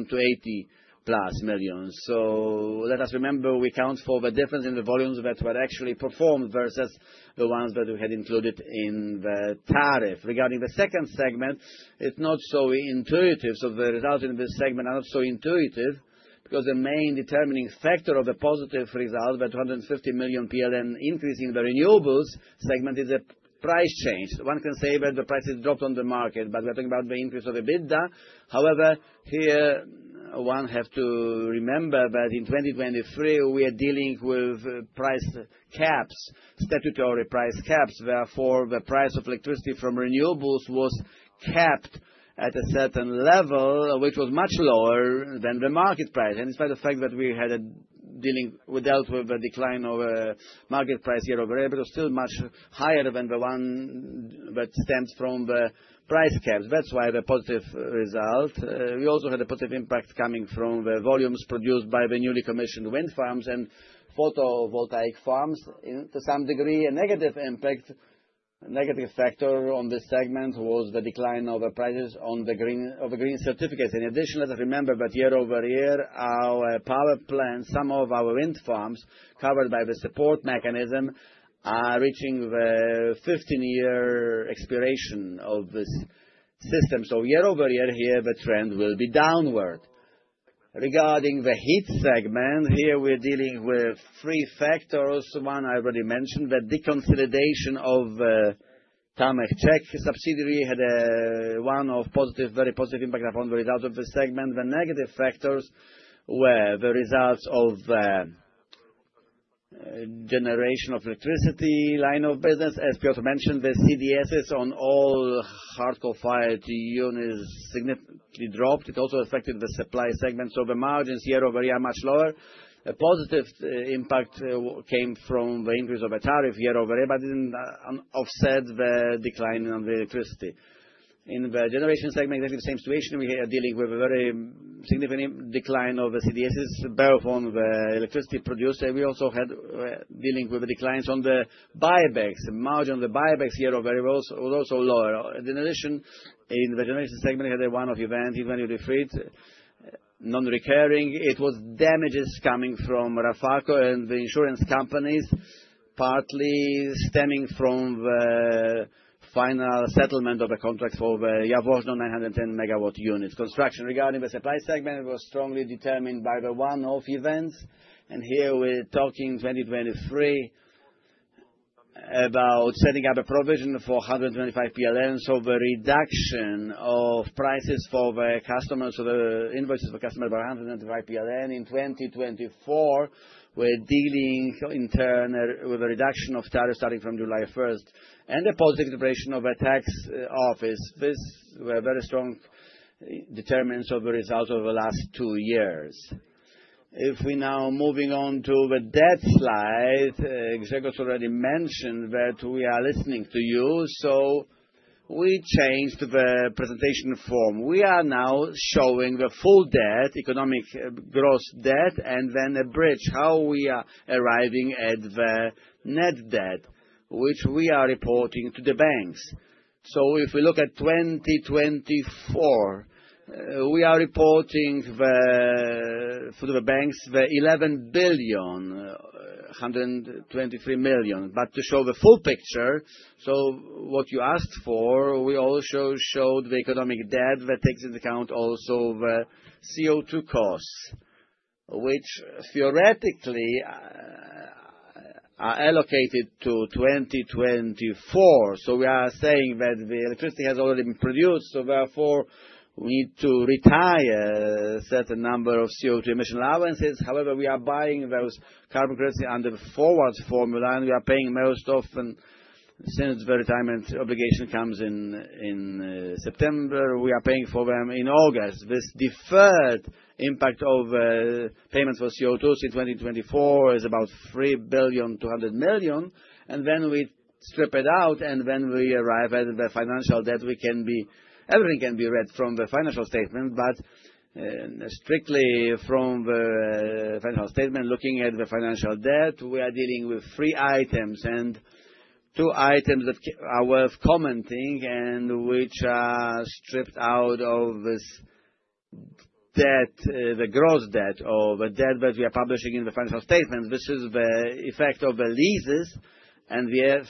plus to 80 million plus. Let us remember, we account for the difference in the volumes that were actually performed versus the ones that we had included in the tariff. Regarding the second segment, it's not so intuitive. The result in this segment is not so intuitive because the main determining factor of the positive result, the 250 million PLN increase in the renewables segment, is the price change. One can say that the price has dropped on the market, but we're talking about the increase of EBITDA. However, here, one has to remember that in 2023, we are dealing with price caps, statutory price caps. Therefore, the price of electricity from renewables was capped at a certain level, which was much lower than the market price. Despite the fact that we had dealt with a decline of the market price year-over-year, it was still much higher than the one that stemmed from the price caps. That is why the positive result. We also had a positive impact coming from the volumes produced by the newly commissioned wind farms and photovoltaic farms to some degree. A negative impact, negative factor on this segment was the decline of the prices of the green certificates. In addition, let us remember that year-over-year, our power plants, some of our wind farms covered by the support mechanism, are reaching the 15-year expiration of this system. Year-over-year, here, the trend will be downward. Regarding the heat segment, here we are dealing with three factors. One, I already mentioned, the deconsolidation of the TAMEH Czech subsidiary had one positive, very positive impact upon the result of this segment. The negative factors were the results of the generation of electricity line of business. As Piotr mentioned, the CDSs on all hard coal-fired units significantly dropped. It also affected the supply segment. The margins year-over-year are much lower. A positive impact came from the increase of the tariff year-over-year, but it did not offset the decline on the electricity. In the generation segment, exactly the same situation. We are dealing with a very significant decline of the CDSs, both on the electricity producer. We also had dealing with declines on the buybacks. The margin on the buybacks year-over-year was also lower. In addition, in the generation segment, we had one event, even if it is non-recurring. It was damages coming from Rafał and the insurance companies, partly stemming from the final settlement of the contract for the Jaworzno 910 MW units construction. Regarding the supply segment, it was strongly determined by the one-off events. Here, we are talking 2023 about setting up a provision for 125 PLN. The reduction of prices for the customers, the invoices for customers by PLN 125. In 2024, we are dealing in turn with a reduction of tariffs starting from July 1 and a positive depreciation of the tax office. This was a very strong determinant of the result over the last two years. If we now move on to the debt slide, Grzegorz already mentioned that we are listening to you. We changed the presentation form. We are now showing the full debt, economic gross debt, and then a bridge, how we are arriving at the net debt, which we are reporting to the banks. If we look at 2024, we are reporting for the banks 11 billion 123 million. To show the full picture, what you asked for, we also showed the economic debt, the tax account, also the CO2 costs, which theoretically are allocated to 2024. We are saying that the electricity has already been produced. Therefore, we need to retire a certain number of CO2 emission allowances. However, we are buying those carbon credits under the forward formula, and we are paying most often since the retirement obligation comes in September. We are paying for them in August. This deferred impact of payments for CO2 in 2024 is about 3 billion 200 million. Then we strip it out, and when we arrive at the financial debt, everything can be read from the financial statement. Strictly from the financial statement, looking at the financial debt, we are dealing with three items and two items that are worth commenting and which are stripped out of this debt, the gross debt of the debt that we are publishing in the financial statements. This is the effect of the leases and the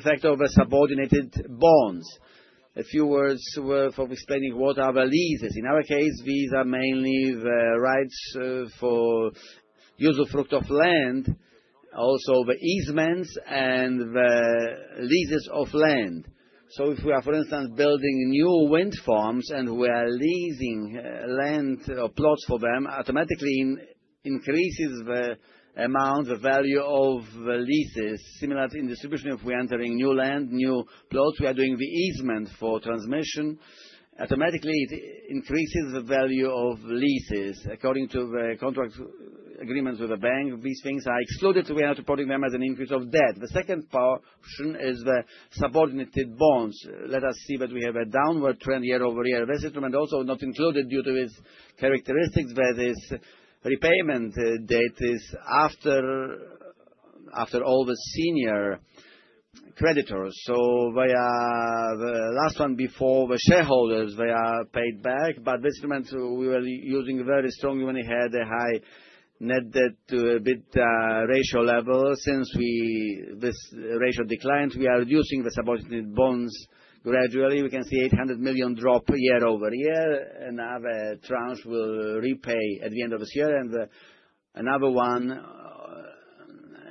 effect of the subordinated bonds. A few words for explaining what are the leases. In our case, these are mainly the rights for use of fruit of land, also the easements and the leases of land. If we are, for instance, building new wind farms and we are leasing land or plots for them, automatically increases the amount, the value of the leases. Similarly, in distribution, if we are entering new land, new plots, we are doing the easement for transmission. Automatically, it increases the value of leases. According to the contract agreements with the bank, these things are excluded. We are not reporting them as an increase of debt. The second portion is the subordinated bonds. Let us see that we have a downward trend year-over-year. This instrument is also not included due to its characteristics, where this repayment date is after all the senior creditors. The last one before the shareholders, they are paid back. This instrument, we were using very strongly when we had a high net debt-to-EBITDA ratio level. Since this ratio declined, we are reducing the subordinated bonds gradually. We can see 800 million drop year-over-year. Another tranche will repay at the end of this year and another one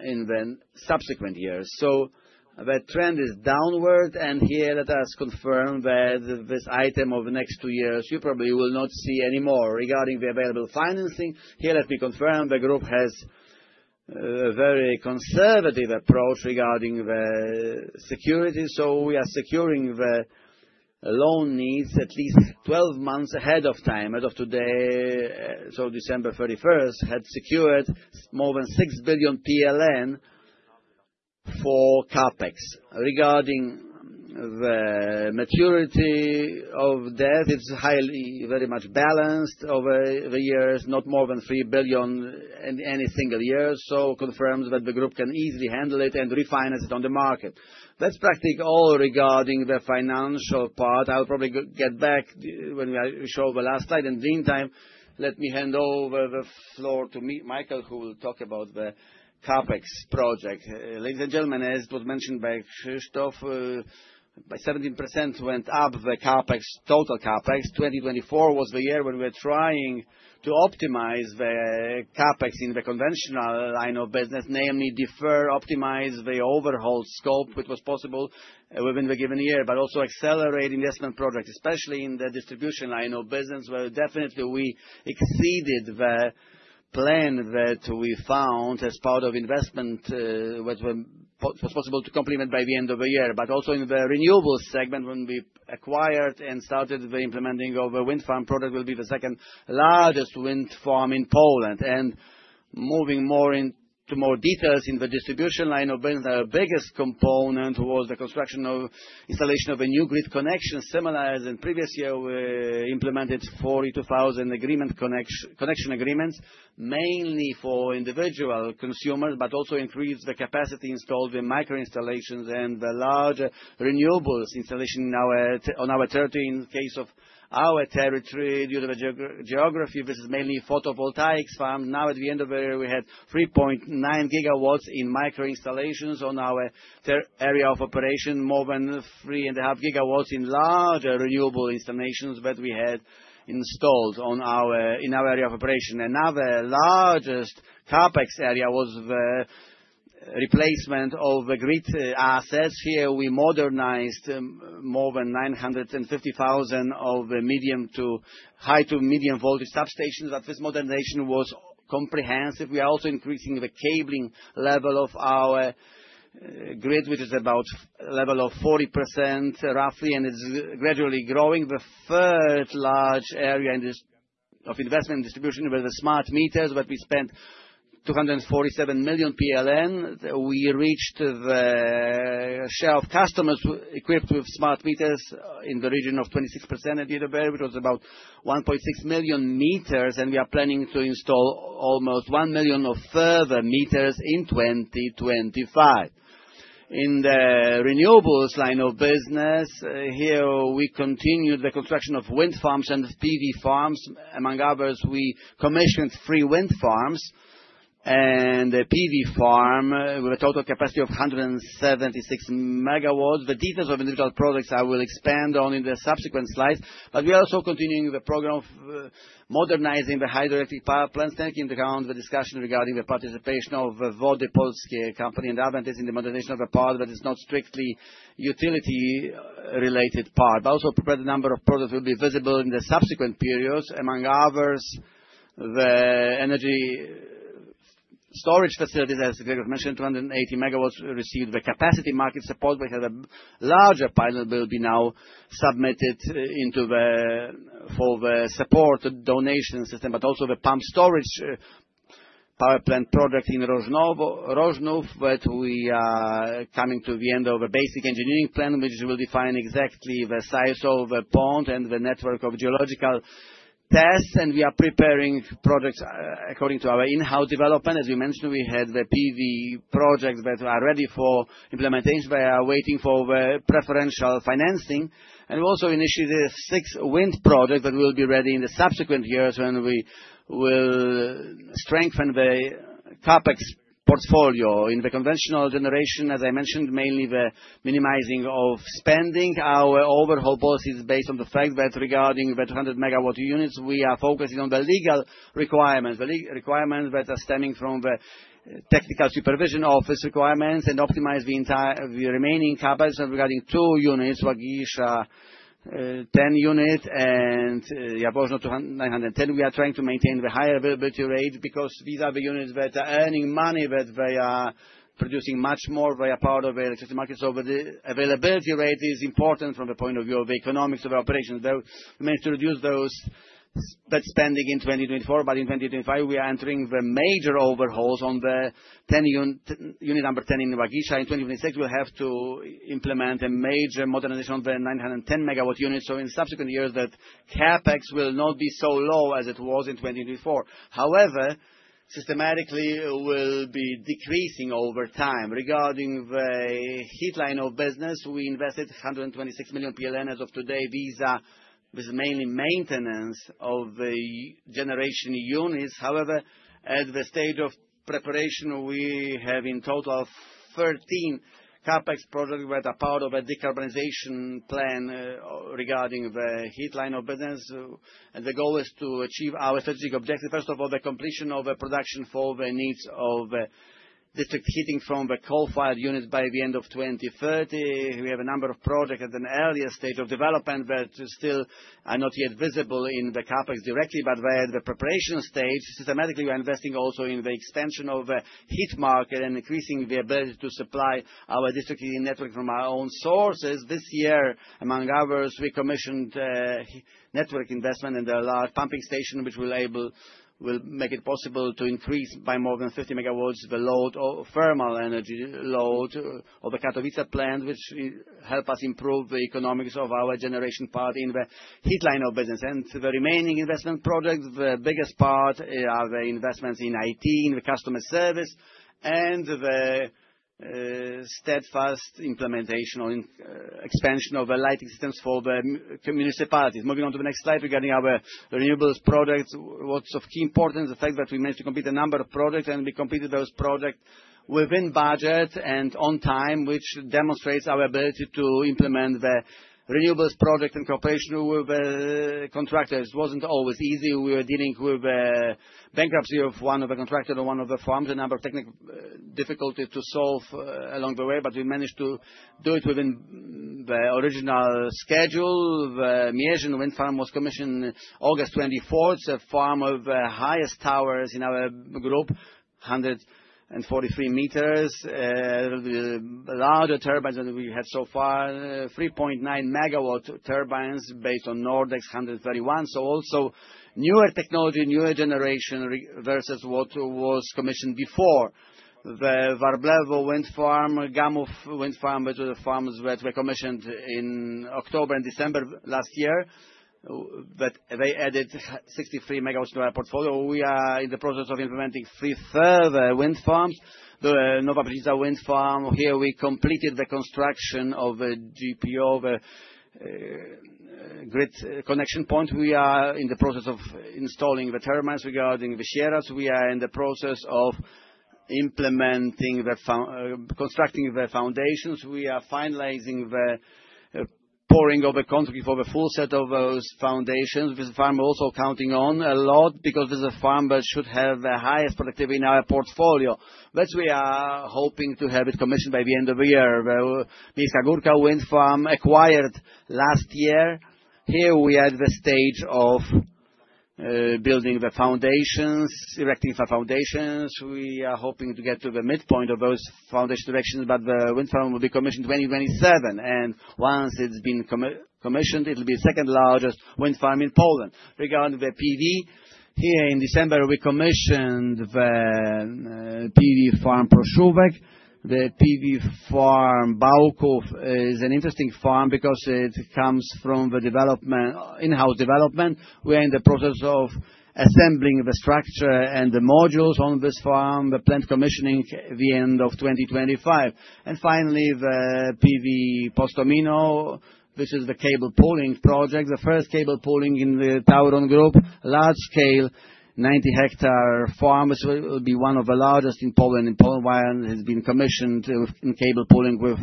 in the subsequent years. The trend is downward. Here, let us confirm that this item of the next two years, you probably will not see anymore. Regarding the available financing, let me confirm the group has a very conservative approach regarding the security. We are securing the loan needs at least 12 months ahead of time. As of today, December 31, had secured more than 6 billion PLN for CAPEX. Regarding the maturity of debt, it is very much balanced over the years, not more than 3 billion in any single year. It confirms that the group can easily handle it and refinance it on the market. That is all regarding the financial part. I will probably get back when we show the last slide. In the meantime, let me hand over the floor to Michał, who will talk about the CAPEX project. Ladies and gentlemen, as was mentioned by Krzysztof, by 17% went up the total CAPEX. 2024 was the year when we were trying to optimize the CAPEX in the conventional line of business, namely defer optimize the overhaul scope, which was possible within the given year, but also accelerate investment projects, especially in the distribution line of business, where definitely we exceeded the plan that we found as part of investment that was possible to complement by the end of the year. Also in the renewable segment, when we acquired and started the implementing of the wind farm project, will be the second largest wind farm in Poland. Moving more into more details in the distribution line of business, our biggest component was the construction of installation of a new grid connection. Similar, as in previous year, we implemented 42,000 connection agreements, mainly for individual consumers, but also increased the capacity installed with micro-installations and the larger renewables installation on our territory. In the case of our territory, due to the geography, this is mainly photovoltaics farm. Now, at the end of the year, we had 3.9 gigawatts in micro-installations on our area of operation, more than 3.5 gigawatts in larger renewable installations that we had installed in our area of operation. Another largest CAPEX area was the replacement of the grid assets. Here, we modernized more than 950,000 of the medium to high to medium voltage substations. This modernization was comprehensive. We are also increasing the cabling level of our grid, which is about level of 40% roughly, and it's gradually growing. The third large area of investment and distribution was the smart meters, where we spent 247 million PLN. We reached the share of customers equipped with smart meters in the region of 26% at the end of the year, which was about 1.6 million meters. We are planning to install almost 1 million further meters in 2025. In the renewables line of business, here we continued the construction of wind farms and PV farms. Among others, we commissioned three wind farms and a PV farm with a total capacity of 176 megawatts. The details of individual projects I will expand on in the subsequent slides. We are also continuing the program of modernizing the hydroelectric power plants, taking into account the discussion regarding the participation of Wody Polskie and Aventis in the modernization of the part that is not strictly utility-related part. We also prepared a number of products that will be visible in the subsequent periods. Among others, the energy storage facilities, as Grzegorz mentioned, 280 megawatts received the capacity market support. We had a larger pilot that will be now submitted for the support donation system, but also the pump storage power plant project in Rożnów, that we are coming to the end of a basic engineering plan, which will define exactly the size of the pond and the network of geological tests. We are preparing projects according to our in-house development. As we mentioned, we had the PV projects that are ready for implementation. They are waiting for the preferential financing. We also initiated six wind projects that will be ready in the subsequent years when we will strengthen the CAPEX portfolio in the conventional generation. As I mentioned, mainly the minimizing of spending. Our overall policy is based on the fact that regarding the 200 megawatt units, we are focusing on the legal requirements, the legal requirements that are stemming from the Technical Supervision Office requirements and optimize the remaining CapEx. Regarding two units, Łagisza 10 unit and Jaworzno 910, we are trying to maintain the high availability rate because these are the units that are earning money, but they are producing much more via part of the electricity market. The availability rate is important from the point of view of the economics of the operations. We managed to reduce those spending in 2024, but in 2025, we are entering the major overhauls on the unit number 10 in Łagisza. In 2026, we will have to implement a major modernization of the 910 megawatt units. In subsequent years, that CapEx will not be so low as it was in 2024. However, systematically, it will be decreasing over time. Regarding the heat line of business, we invested 126 million PLN as of today. These are mainly maintenance of the generation units. However, at the stage of preparation, we have in total 13 CapEx projects that are part of a decarbonization plan regarding the heat line of business. The goal is to achieve our strategic objective. First of all, the completion of production for the needs of district heating from the coal-fired units by the end of 2030. We have a number of projects at an earlier stage of development that still are not yet visible in the CapEx directly, but we're at the preparation stage. Systematically, we are investing also in the expansion of the heat market and increasing the ability to supply our district heating network from our own sources. This year, among others, we commissioned network investment in the large pumping station, which will make it possible to increase by more than 50 MW the load or thermal energy load of the Katowice plant, which will help us improve the economics of our generation part in the heat line of business. The remaining investment projects, the biggest part are the investments in IT, in the customer service, and the steadfast implementation or expansion of the lighting systems for the municipalities. Moving on to the next slide regarding our renewables projects, what's of key importance, the fact that we managed to complete a number of projects and we completed those projects within budget and on time, which demonstrates our ability to implement the renewables project and cooperation with the contractors. It wasn't always easy. We were dealing with the bankruptcy of one of the contractors or one of the farms, a number of technical difficulties to solve along the way, but we managed to do it within the original schedule. The Mierzyn wind farm was commissioned on August 24th, a farm of the highest towers in our group, 143 meters, larger turbines than we had so far, 3.9 megawatt turbines based on Nordex 131. Also newer technology, newer generation versus what was commissioned before. The Warblewo wind farm, Gamów wind farm, which were the farms that were commissioned in October and December last year, but they added 63 megawatts to our portfolio. We are in the process of implementing three further wind farms. The Nowe Brzeza wind farm, here we completed the construction of a GPO, the grid connection point. We are in the process of installing the turbines. Regarding the Siersza, we are in the process of constructing the foundations. We are finalizing the pouring of the concrete for the full set of those foundations. This farm is also counting on a lot because this is a farm that should have the highest productivity in our portfolio. We are hoping to have it commissioned by the end of the year. The Miejska Górka wind farm acquired last year. Here we are at the stage of building the foundations, erecting the foundations. We are hoping to get to the midpoint of those foundation erections, but the wind farm will be commissioned in 2027. Once it has been commissioned, it will be the second largest wind farm in Poland. Regarding the PV, here in December, we commissioned the PV farm Proszówek. The PV farm Bałków is an interesting farm because it comes from the in-house development. We are in the process of assembling the structure and the modules on this farm, the plant commissioning at the end of 2025. Finally, the PV Postomino, this is the cable pulling project, the first cable pulling in the TAURON group, large scale, 90-hectare farm. This will be one of the largest in Poland. In Poland, it has been commissioned in cable pulling with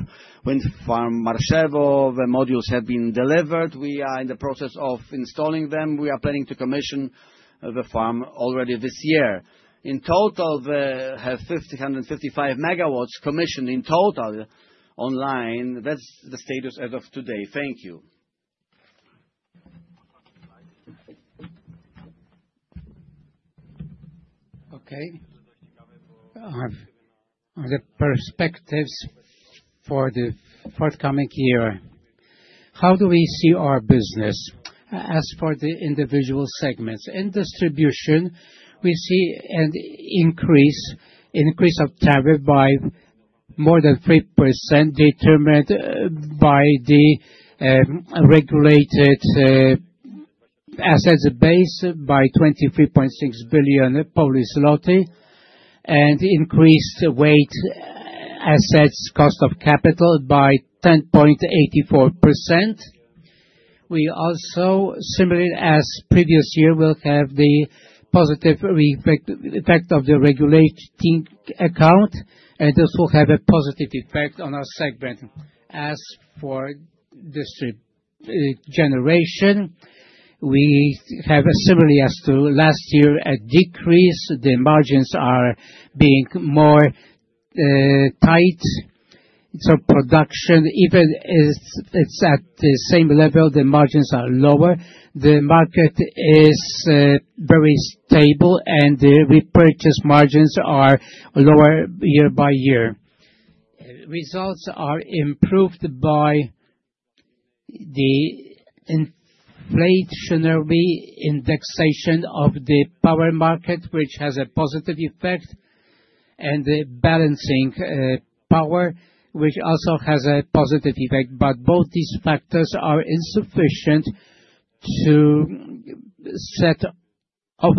wind farm Marszewo. The modules have been delivered. We are in the process of installing them. We are planning to commission the farm already this year. In total, we have 155 megawatts commissioned in total online. That is the status as of today. Thank you. Okay. The perspectives for the forthcoming year. How do we see our business as for the individual segments? In distribution, we see an increase of tariff by more than 3% determined by the regulated assets base by 23.6 billion and increased weighted assets cost of capital by 10.84%. We also, similarly as previous year, will have the positive effect of the regulating account, and this will have a positive effect on our segment. As for generation, we have a similarly as to last year a decrease. The margins are being more tight. Production, even if it's at the same level, the margins are lower. The market is very stable, and the repurchase margins are lower year by year. Results are improved by the inflationary indexation of the power market, which has a positive effect, and the balancing power, which also has a positive effect. Both these factors are insufficient to set up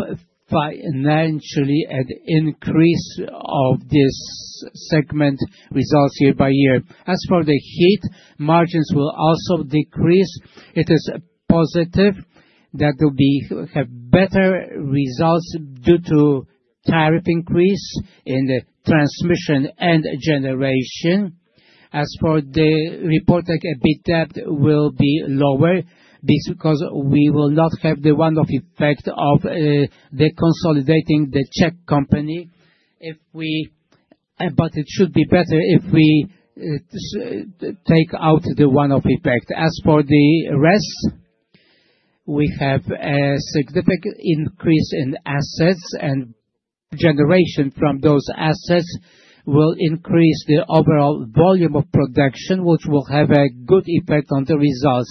financially an increase of this segment results year by year. As for the heat, margins will also decrease. It is positive that we have better results due to tariff increase in the transmission and generation. As for the report, the EBITDA will be lower because we will not have the one-off effect of consolidating the Czech company. It should be better if we take out the one-off effect. As for the rest, we have a significant increase in assets, and generation from those assets will increase the overall volume of production, which will have a good effect on the results.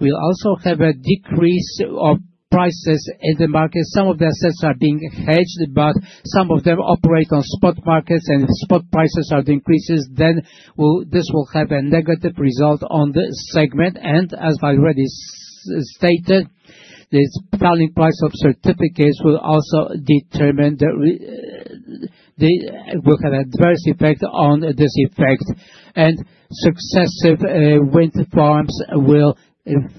We'll also have a decrease of prices in the market. Some of the assets are being hedged, but some of them operate on spot markets, and if spot prices are increased, then this will have a negative result on the segment. As I already stated, the selling price of certificates will also determine the will have a diverse effect on this effect. Successive wind farms will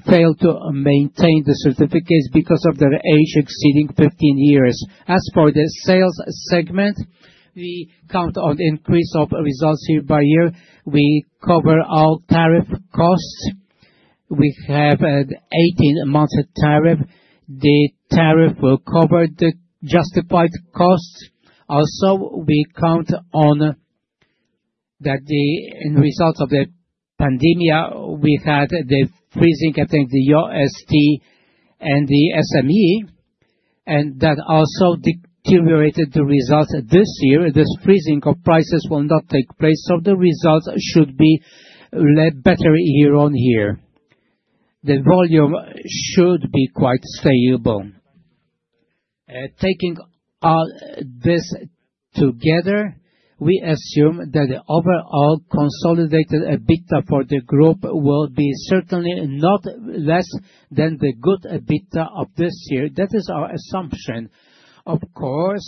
fail to maintain the certificates because of their age exceeding 15 years. As for the sales segment, we count on the increase of results year by year. We cover all tariff costs. We have an 18-month tariff. The tariff will cover the justified costs. Also, we count on that the results of the pandemia, we had the freezing of the UST and the SME, and that also deteriorated the results this year. This freezing of prices will not take place, so the results should be better year on year. The volume should be quite stable. Taking all this together, we assume that the overall consolidated EBITDA for the group will be certainly not less than the good EBITDA of this year. That is our assumption. Of course,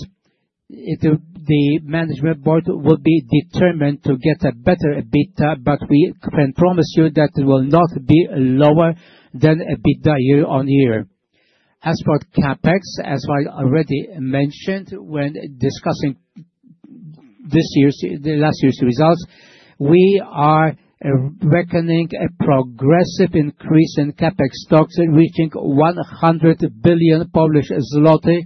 the Management Board will be determined to get a better EBITDA, but we can promise you that it will not be lower than EBITDA year on year. As for CAPEX, as I already mentioned, when discussing the last year's results, we are reckoning a progressive increase in CAPEX stocks reaching 100 billion Polish zloty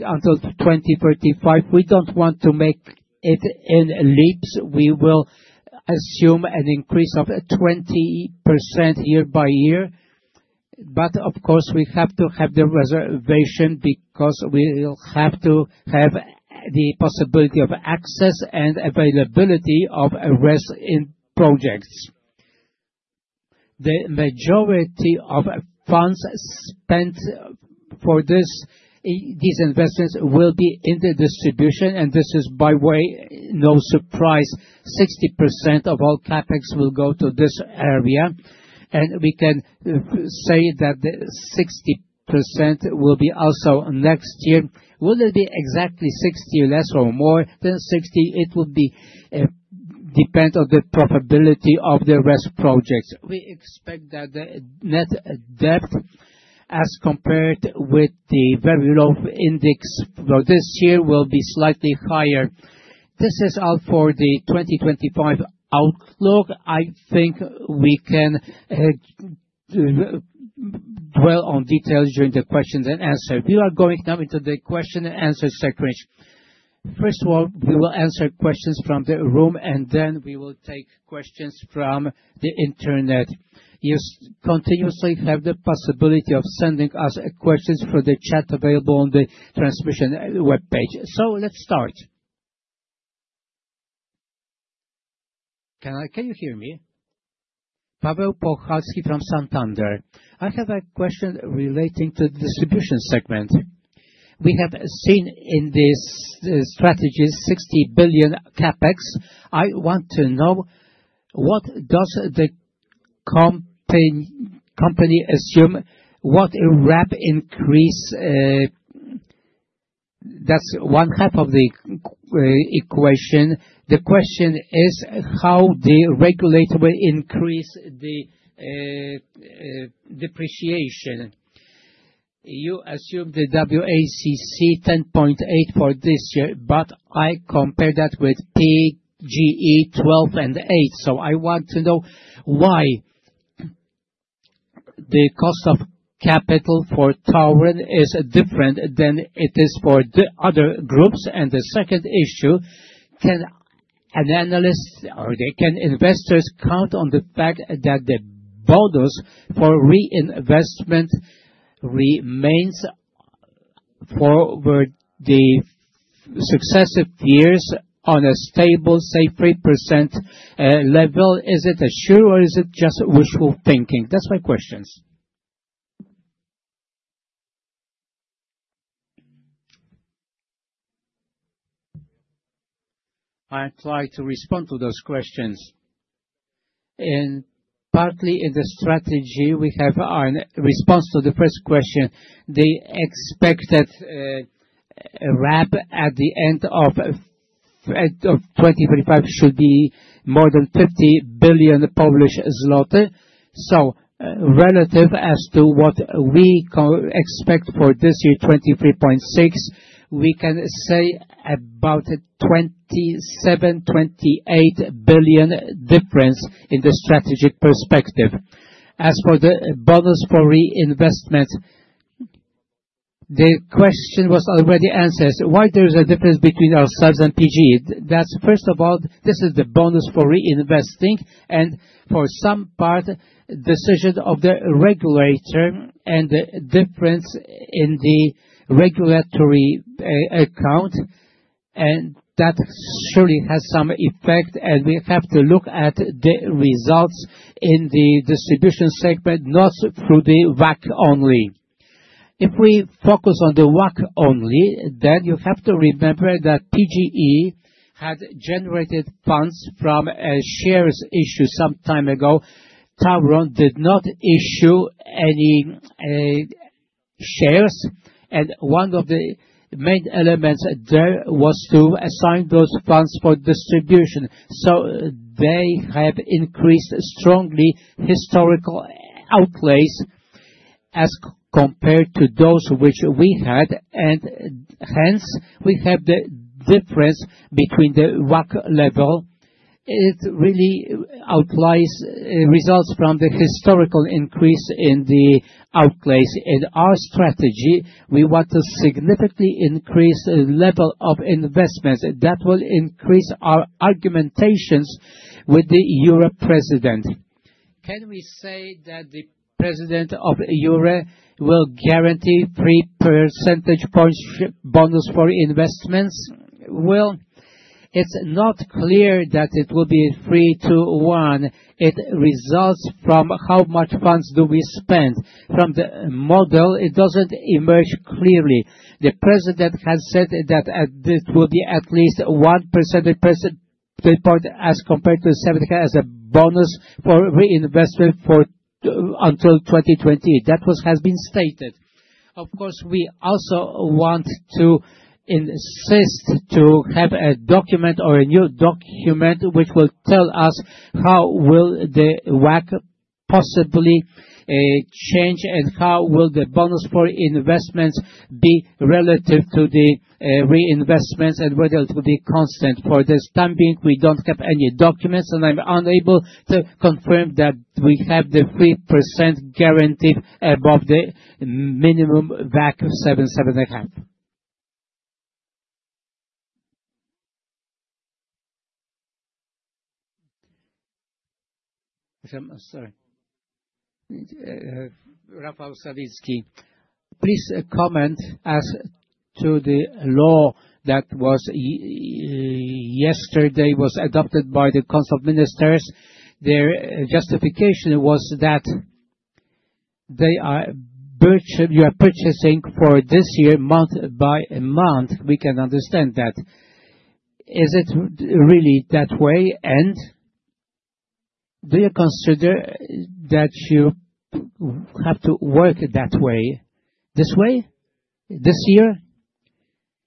until 2035. We do not want to make it in leaps. We will assume an increase of 20% year by year. Of course, we have to have the reservation because we will have to have the possibility of access and availability of arrest in projects. The majority of funds spent for these investments will be in the distribution, and this is, by way, no surprise, 60% of all CAPEX will go to this area. We can say that the 60% will be also next year. Will it be exactly 60 or less or more than 60? It will depend on the profitability of the rest projects. We expect that the net debt, as compared with the very low index for this year, will be slightly higher. This is all for the 2025 outlook. I think we can dwell on details during the questions and answers. We are going now into the question and answer segment. First of all, we will answer questions from the room, and then we will take questions from the internet. You continuously have the possibility of sending us questions for the chat available on the transmission web page. Let's start. Can you hear me? Paweł Pochalski from Santander. I have a question relating to the distribution segment. We have seen in this strategy 60 billion CAPEX. I want to know what does the company assume? What a RAB increase? That's one half of the equation. The question is how the regulator will increase the depreciation. You assume the WACC 10.8 for this year, but I compared that with PGE 12 and 8. I want to know why the cost of capital for TAURON is different than it is for the other groups. The second issue, can an analyst or can investors count on the fact that the bonus for reinvestment remains for the successive years on a stable, say, 3% level? Is it a shoe or is it just wishful thinking? That's my question. I try to respond to those questions. Partly in the strategy, we have a response to the first question. The expected RAB at the end of 2025 should be more than 50 billion Polish zloty. Relative as to what we expect for this year, 2023, we can say about 27 billion-28 billion difference in the strategic perspective. As for the bonus for reinvestment, the question was already answered. Why there is a difference between ourselves and PGE? First of all, this is the bonus for reinvesting and, for some part, decision of the regulator and the difference in the regulatory account. That surely has some effect, and we have to look at the results in the distribution segment, not through the WACC only. If we focus on the WACC only, then you have to remember that PGE had generated funds from a shares issue some time ago. TAURON did not issue any shares, and one of the main elements there was to assign those funds for distribution. They have increased strongly historical outlays as compared to those which we had, and hence we have the difference between the WACC level. It really outlies results from the historical increase in the outlays. In our strategy, we want to significantly increase the level of investments. That will increase our argumentations with the Europe president. Can we say that the president of Europe will guarantee 3 percentage points bonus for investments? It is not clear that it will be 3-1. It results from how much funds do we spend. From the model, it does not emerge clearly. The president has said that it will be at least 1 percentage point as compared to 70 as a bonus for reinvestment until 2020. That has been stated. Of course, we also want to insist to have a document or a new document which will tell us how will the WACC possibly change and how will the bonus for investments be relative to the reinvestments and whether it will be constant. For the time being, we do not have any documents, and I am unable to confirm that we have the 3% guarantee above the minimum WACC of 7-7.5. Rafał Sawicki, please comment as to the law that yesterday was adopted by the Council of Ministers. Their justification was that you are purchasing for this year month by month. We can understand that. Is it really that way? Do you consider that you have to work that way this year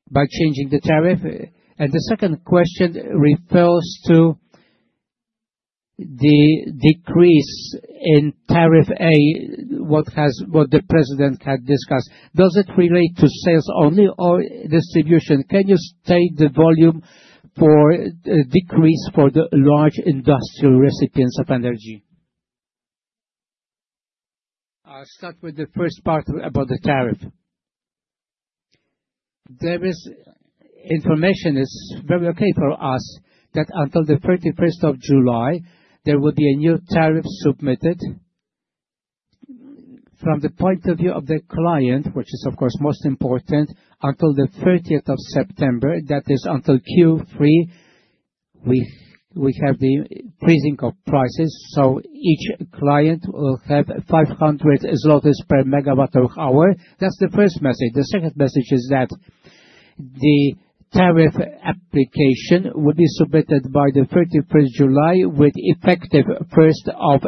by changing the tariff? The second question refers to the decrease in tariff, what the president had discussed. Does it relate to sales only or distribution? Can you state the volume for decrease for the large industrial recipients of energy? I'll start with the first part about the tariff. Information is very okay for us that until the 31st of July, there will be a new tariff submitted. From the point of view of the client, which is of course most important, until the 30th of September, that is until Q3, we have the freezing of prices. Each client will have 500 zlotys per megawatt hour. That's the first message. The second message is that the tariff application will be submitted by the 31st of July with effective 1st of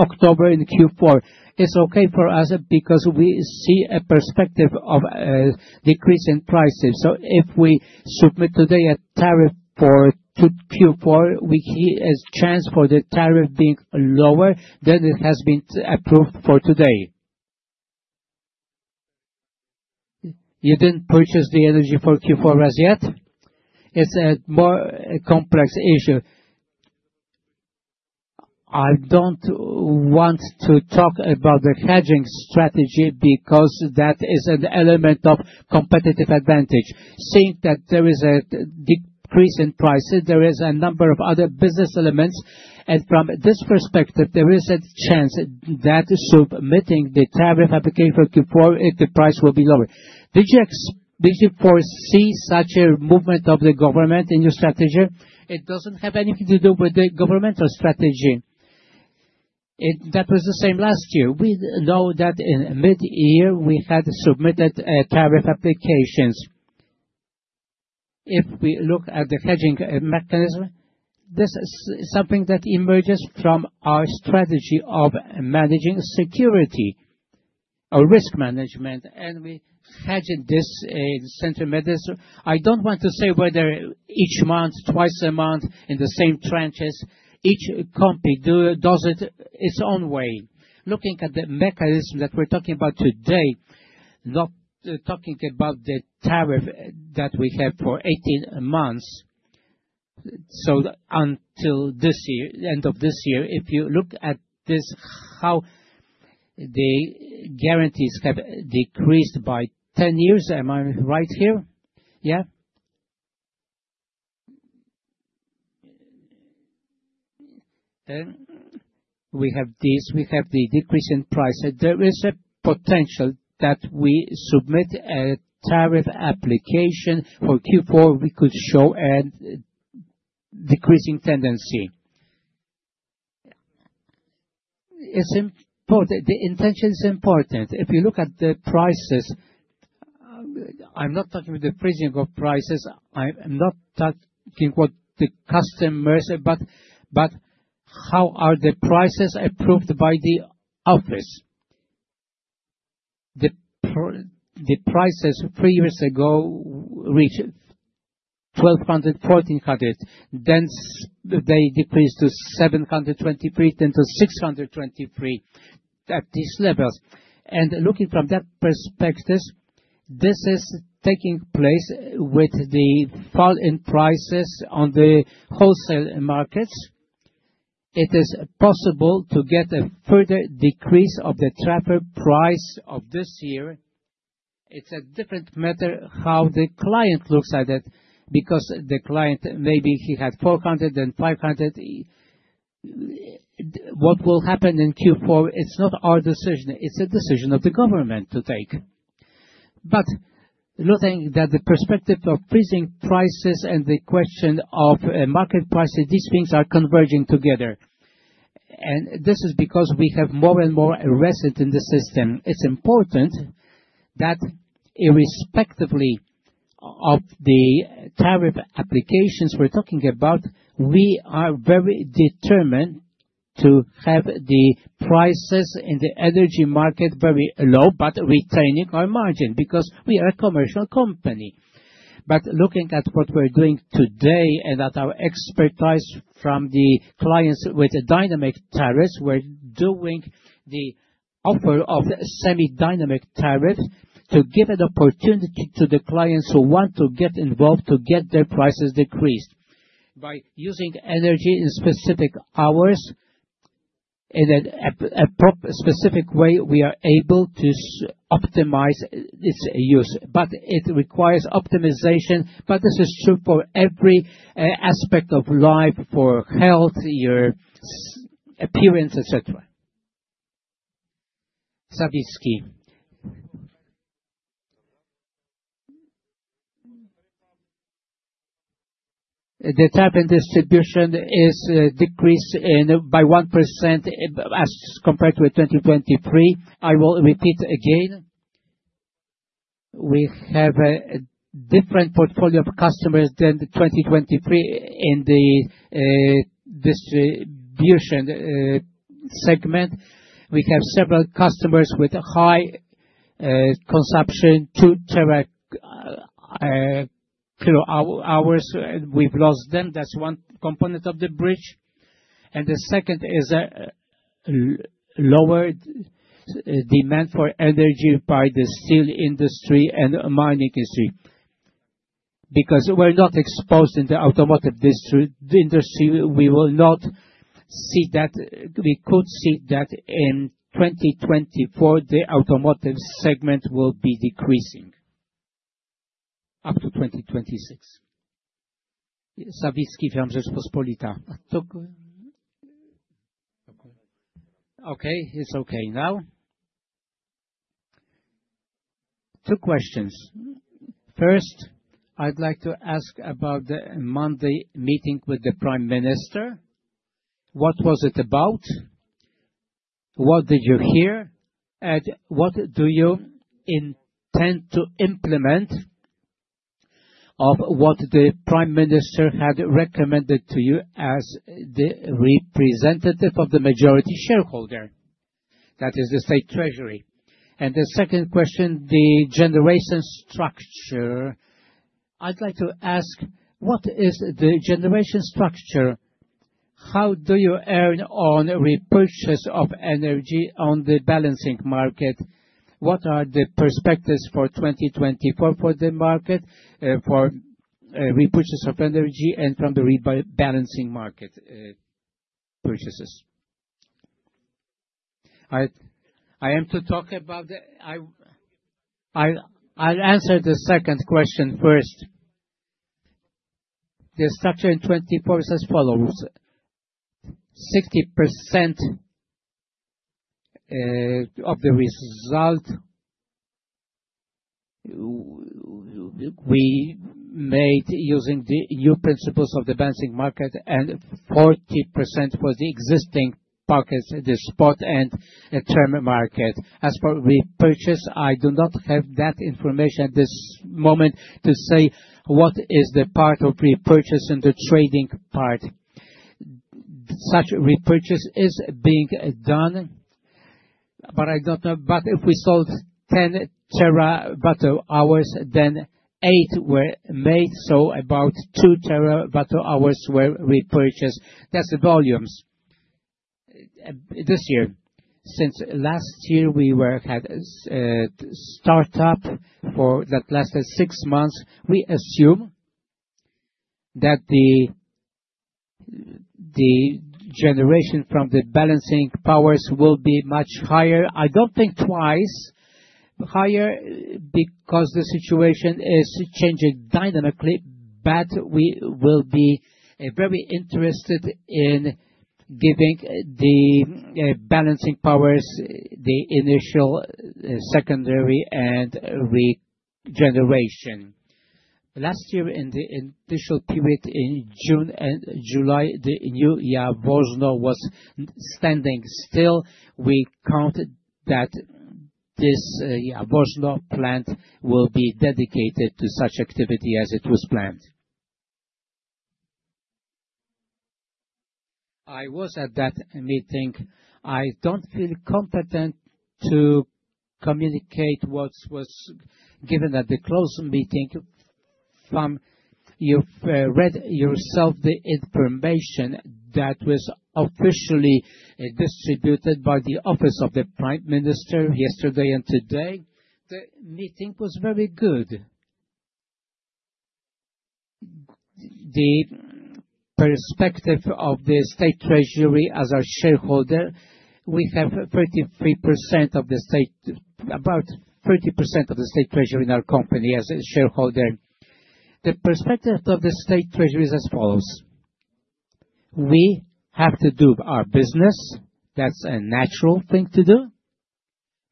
October in Q4. It's okay for us because we see a perspective of a decrease in prices. If we submit today a tariff for Q4, we hear a chance for the tariff being lower, then it has been approved for today. You didn't purchase the energy for Q4 as yet? It's a more complex issue. I don't want to talk about the hedging strategy because that is an element of competitive advantage. Seeing that there is a decrease in prices, there is a number of other business elements. From this perspective, there is a chance that submitting the tariff application for Q4, the price will be lower. Did you foresee such a movement of the government in your strategy? It doesn't have anything to do with the governmental strategy. That was the same last year. We know that in mid-year, we had submitted tariff applications. If we look at the hedging mechanism, this is something that emerges from our strategy of managing security or risk management. We hedge this in central measures. I do not want to say whether each month, twice a month, in the same trenches. Each company does it its own way. Looking at the mechanism that we are talking about today, not talking about the tariff that we have for 18 months. Until this year, end of this year, if you look at this, how the guarantees have decreased by 10 years, am I right here? Yeah? We have these. We have the decrease in price. There is a potential that we submit a tariff application for Q4. We could show a decreasing tendency. It is important. The intention is important. If you look at the prices, I am not talking about the freezing of prices. I'm not talking about the customers, but how are the prices approved by the office? The prices three years ago reached 1,200, PLN 1,400. Then they decreased to 723, then to 623 at these levels. Looking from that perspective, this is taking place with the fall in prices on the wholesale markets. It is possible to get a further decrease of the tariff price this year. It is a different matter how the client looks at it because the client, maybe he had 400 and 500. What will happen in Q4, it's not our decision. It is a decision of the government to take. Looking at the perspective of freezing prices and the question of market prices, these things are converging together. This is because we have more and more RES in the system. It's important that irrespectively of the tariff applications we're talking about, we are very determined to have the prices in the energy market very low, but retaining our margin because we are a commercial company. Looking at what we're doing today and at our expertise from the clients with dynamic tariffs, we're doing the offer of semi-dynamic tariffs to give an opportunity to the clients who want to get involved to get their prices decreased. By using energy in specific hours, in a specific way, we are able to optimize its use. It requires optimization, but this is true for every aspect of life, for health, your appearance, etc. Sawicki. The tariff and distribution is decreased by 1% as compared to 2023. I will repeat again. We have a different portfolio of customers than 2023 in the distribution segment. We have several customers with high consumption, 2 terawatt hours. We've lost them. That's one component of the bridge. The second is lower demand for energy by the steel industry and mining industry. Because we're not exposed in the automotive industry, we will not see that. We could see that in 2024, the automotive segment will be decreasing up to 2026. Sawicki from Rzeczpospolita. Okay. It's okay now. Two questions. First, I'd like to ask about the Monday meeting with the Prime Minister. What was it about? What did you hear? What do you intend to implement of what the Prime Minister had recommended to you as the representative of the majority shareholder, that is the State Treasury? The second question, the generation structure. I'd like to ask, what is the generation structure? How do you earn on repurchase of energy on the balancing market? What are the perspectives for 2024 for the market, for repurchase of energy and from the balancing market purchases? I am to talk about the I'll answer the second question first. The structure in 2024 is as follows. 60% of the result we made using the new principles of the balancing market and 40% for the existing pockets, the spot and term market. As for repurchase, I do not have that information at this moment to say what is the part of repurchase and the trading part. Such repurchase is being done, I don't know. If we sold 10 terawatt hours, then 8 were made, so about two terawatt hours were repurchased. That's the volumes this year. Since last year, we had startup for that lasted six months. We assume that the generation from the balancing powers will be much higher. I don't think twice higher because the situation is changing dynamically, but we will be very interested in giving the balancing powers the initial, secondary, and regeneration. Last year, in the initial period in June and July, the new Jaworzno was standing still. We count that this Jaworzno plant will be dedicated to such activity as it was planned. I was at that meeting. I don't feel competent to communicate what was given at the closed meeting from. You've read yourself the information that was officially distributed by the Office of the Prime Minister yesterday and today. The meeting was very good. The perspective of the State Treasury as our shareholder, we have 33% of the state, about 30% of the State Treasury in our company as a shareholder. The perspective of the State Treasury is as follows. We have to do our business. That's a natural thing to do.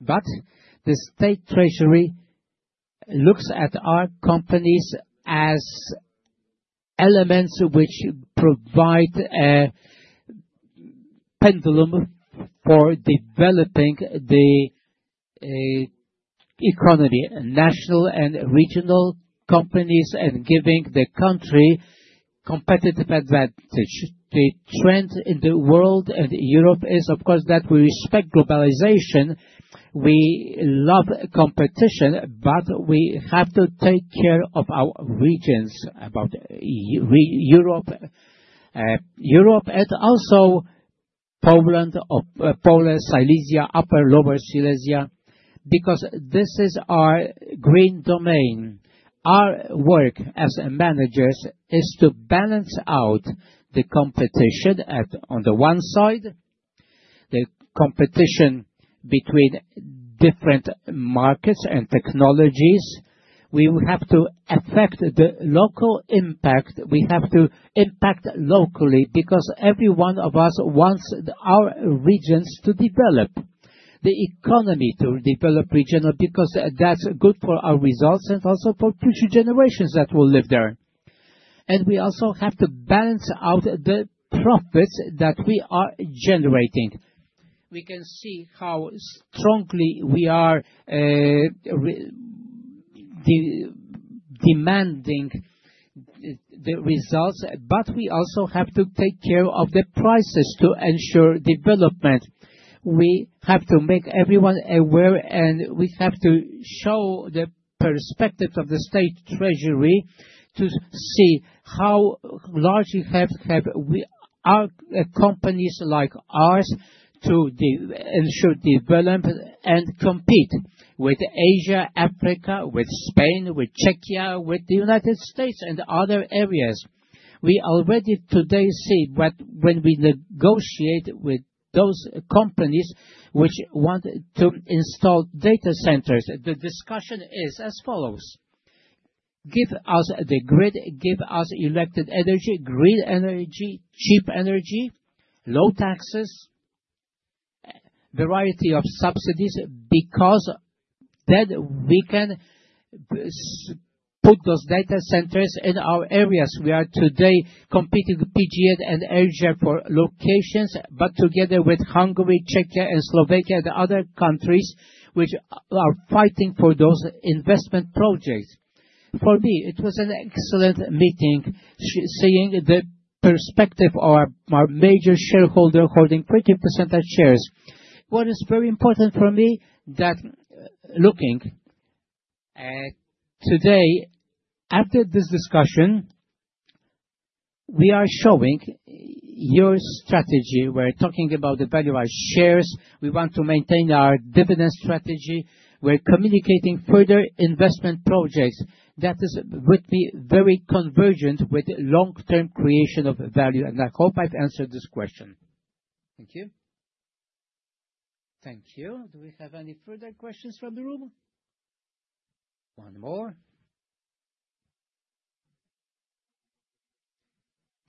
The State Treasury looks at our companies as elements which provide a pendulum for developing the economy, national and regional companies, and giving the country competitive advantage. The trend in the world and Europe is, of course, that we respect globalization. We love competition, but we have to take care of our regions, about Europe, and also Poland, Poland, Silesia, Upper and Lower Silesia, because this is our green domain. Our work as managers is to balance out the competition on the one side, the competition between different markets and technologies. We will have to affect the local impact. We have to impact locally because every one of us wants our regions to develop, the economy to develop regional because that's good for our results and also for future generations that will live there. We also have to balance out the profits that we are generating. We can see how strongly we are demanding the results, but we also have to take care of the prices to ensure development. We have to make everyone aware, and we have to show the perspective of the State Treasury to see how large we have our companies like ours to ensure development and compete with Asia, Africa, with Spain, with Czechia, with the United States, and other areas. We already today see when we negotiate with those companies which want to install data centers. The discussion is as follows. Give us the grid, give us elected energy, green energy, cheap energy, low taxes, variety of subsidies because then we can put those data centers in our areas. We are today competing with PGE and Asia for locations, but together with Hungary, Czechia, and Slovakia, and other countries which are fighting for those investment projects. For me, it was an excellent meeting seeing the perspective of our major shareholder holding 30% of shares. What is very important for me that looking at today, after this discussion, we are showing your strategy. We're talking about the value of our shares. We want to maintain our dividend strategy. We're communicating further investment projects that would be very convergent with long-term creation of value. I hope I've answered this question. Thank you. Thank you. Do we have any further questions from the room? One more.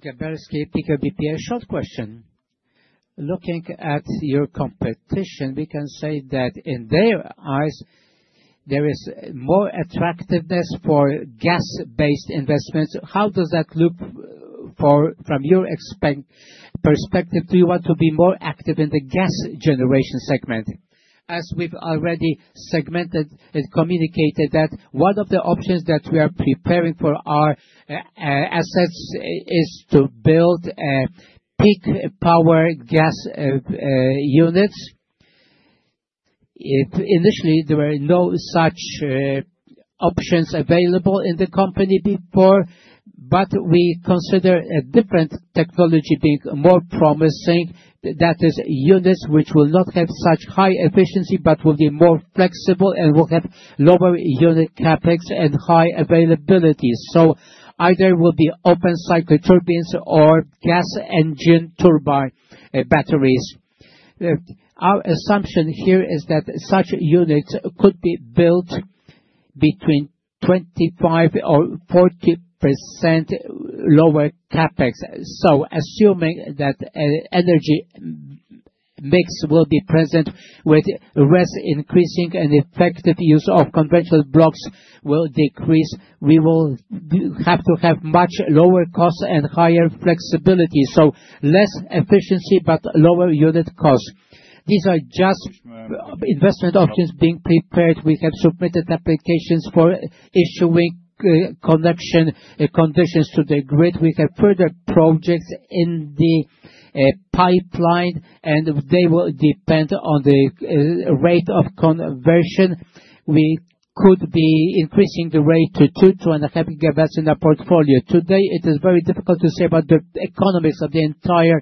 Gabriel just short question. Looking at your competition, we can say that in their eyes, there is more attractiveness for gas-based investments. How does that look from your perspective? Do you want to be more active in the gas generation segment? As we've already segmented and communicated, one of the options that we are preparing for our assets is to build peak power gas units. Initially, there were no such options available in the company before, but we consider a different technology being more promising. That is, units which will not have such high efficiency, but will be more flexible and will have lower unit CapEx and high availability. Either these will be open cycle turbines or gas engine turbine batteries. Our assumption here is that such units could be built between 25%-40% lower CapEx. Assuming that energy mix will be present with less increasing and effective use of conventional blocks will decrease, we will have to have much lower costs and higher flexibility. Less efficiency, but lower unit costs. These are just investment options being prepared. We have submitted applications for issuing connection conditions to the grid. We have further projects in the pipeline, and they will depend on the rate of conversion. We could be increasing the rate to 2-2.5 gigawatts in our portfolio. Today, it is very difficult to say about the economics of the entire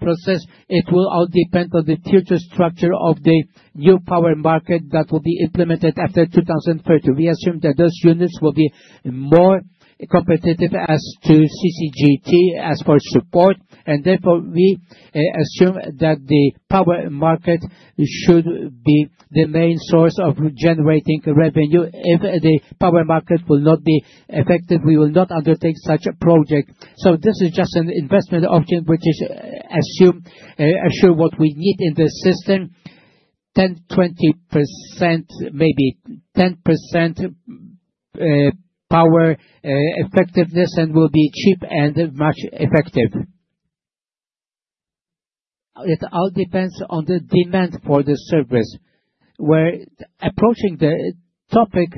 process. It will all depend on the future structure of the new power market that will be implemented after 2030. We assume that those units will be more competitive as to CCGT as for support. We assume that the power market should be the main source of generating revenue. If the power market will not be effective, we will not undertake such a project. This is just an investment option which assumes what we need in the system, 10%-20%, maybe 10% power effectiveness, and will be cheap and much effective. It all depends on the demand for the service. We're approaching the topic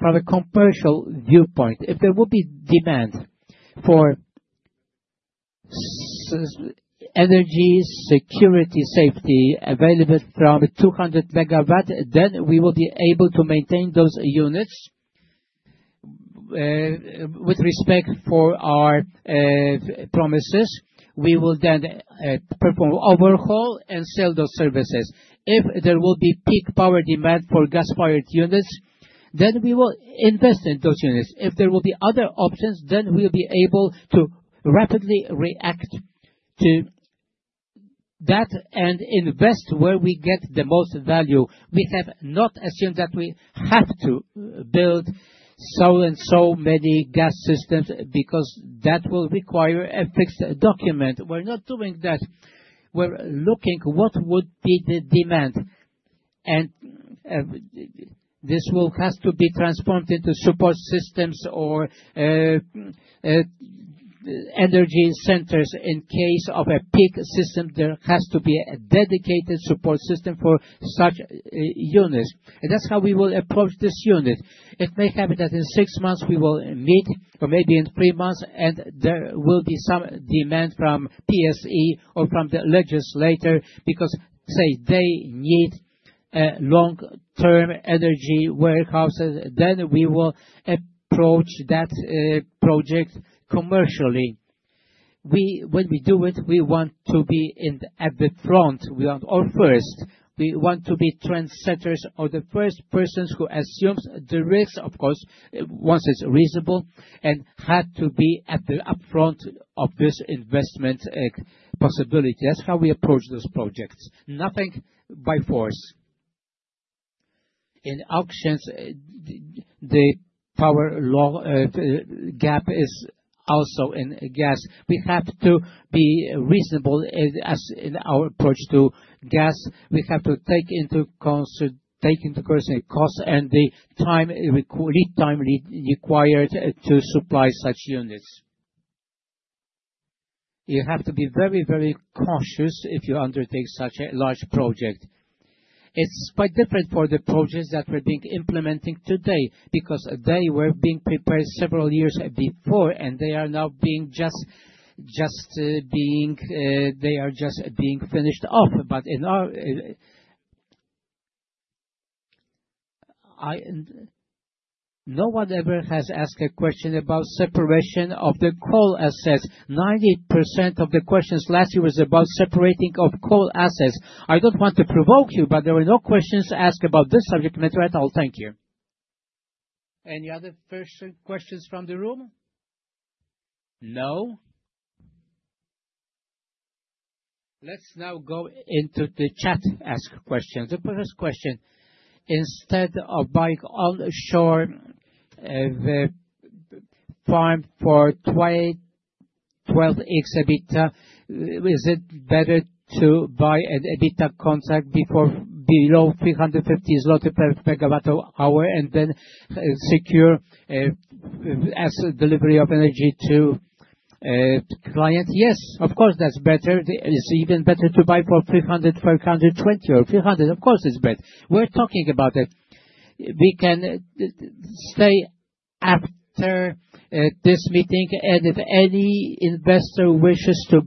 from a commercial viewpoint. If there will be demand for energy, security, safety available from 200 MW, then we will be able to maintain those units. With respect for our promises, we will then perform overhaul and sell those services. If there will be peak power demand for gas-fired units, then we will invest in those units. If there will be other options, then we'll be able to rapidly react to that and invest where we get the most value. We have not assumed that we have to build so and so many gas systems because that will require a fixed document. We're not doing that. We're looking at what would be the demand. This will have to be transformed into support systems or energy centers. In case of a peak system, there has to be a dedicated support system for such units. That is how we will approach this unit. It may happen that in six months, we will meet, or maybe in three months, and there will be some demand from PSE or from the legislator because, say, they need long-term energy warehouses. We will approach that project commercially. When we do it, we want to be at the front or first. We want to be trendsetters or the first persons who assume the risks, of course, once it is reasonable, and have to be at the upfront of this investment possibility. That is how we approach those projects. Nothing by force. In auctions, the power gap is also in gas. We have to be reasonable in our approach to gas. We have to take into consideration the cost and the lead time required to supply such units. You have to be very, very cautious if you undertake such a large project. It's quite different for the projects that we're being implementing today because they were being prepared several years before, and they are now just being finished off. No one ever has asked a question about separation of the coal assets. 90% of the questions last year was about separating of coal assets. I don't want to provoke you, but there were no questions asked about this subject matter at all. Thank you. Any other first questions from the room? No? Let's now go into the chat to ask questions. The first question. Instead of buying onshore farm for 2012 exhibit, is it better to buy an EBITDA contract below 350 zloty per megawatt hour and then secure as delivery of energy to client? Yes, of course, that's better. It's even better to buy for 300, 520, or 300. Of course, it's better. We're talking about it. We can say after this meeting, and if any investor wishes to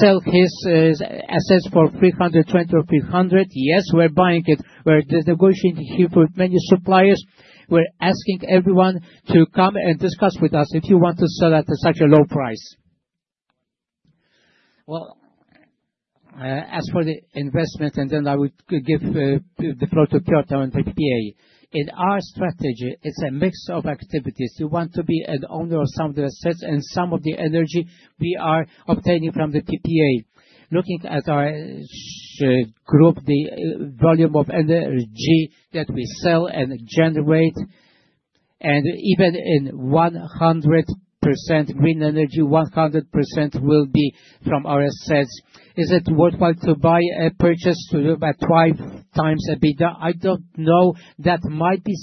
sell his assets for 320 or 300, yes, we're buying it. We're negotiating here with many suppliers. We're asking everyone to come and discuss with us if you want to sell at such a low price. As for the investment, and then I would give the floor to Piotr and PPA. In our strategy, it's a mix of activities. You want to be an owner of some of the assets and some of the energy we are obtaining from the PPA. Looking at our group, the volume of energy that we sell and generate, and even in 100% green energy, 100% will be from our assets. Is it worthwhile to buy a purchase to do about two times EBITDA? I don't know. That might be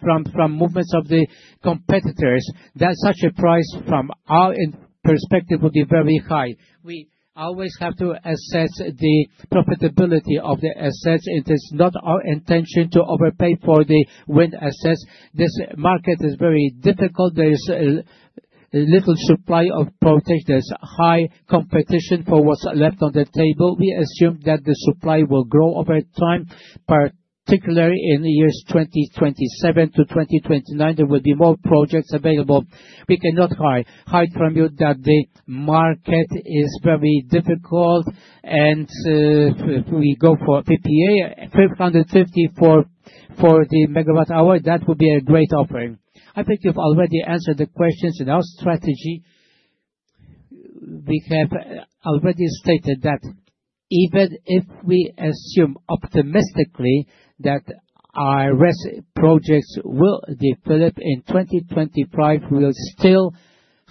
from movements of the competitors. Such a price, from our perspective, would be very high. We always have to assess the profitability of the assets. It is not our intention to overpay for the wind assets. This market is very difficult. There is little supply of protection. There is high competition for what is left on the table. We assume that the supply will grow over time, particularly in the years 2027 to 2029. There will be more projects available. We cannot hide from you that the market is very difficult. If we go for PPA, 550 for the megawatt hour, that would be a great offering. I think you've already answered the questions in our strategy. We have already stated that even if we assume optimistically that our projects will develop in 2025, we will still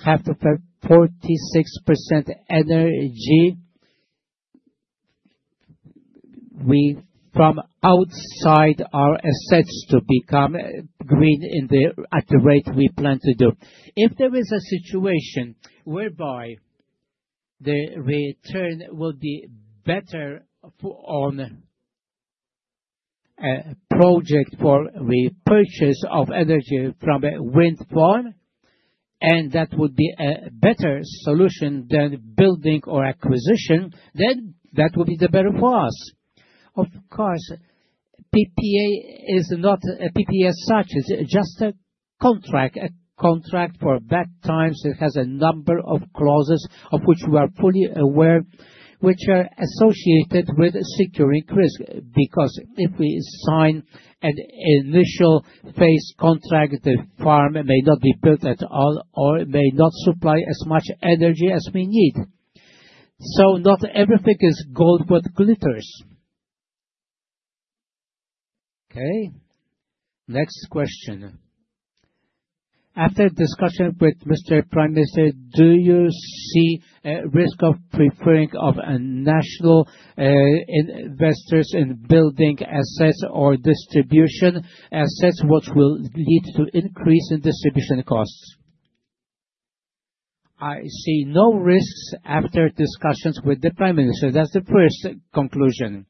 have to have 46% energy from outside our assets to become green at the rate we plan to do. If there is a situation whereby the return will be better on a project for repurchase of energy from a wind farm, and that would be a better solution than building or acquisition, then that would be the better for us. Of course, PPA is not PPA as such. It's just a contract, a contract for bad times. It has a number of clauses of which we are fully aware, which are associated with securing risk. Because if we sign an initial phase contract, the farm may not be built at all or may not supply as much energy as we need. Not everything is gold with glitters. Okay. Next question. After discussion with the Prime Minister, do you see a risk of preferring national investors in building assets or distribution assets, which will lead to an increase in distribution costs? I see no risks after discussions with the Prime Minister. That is the first conclusion.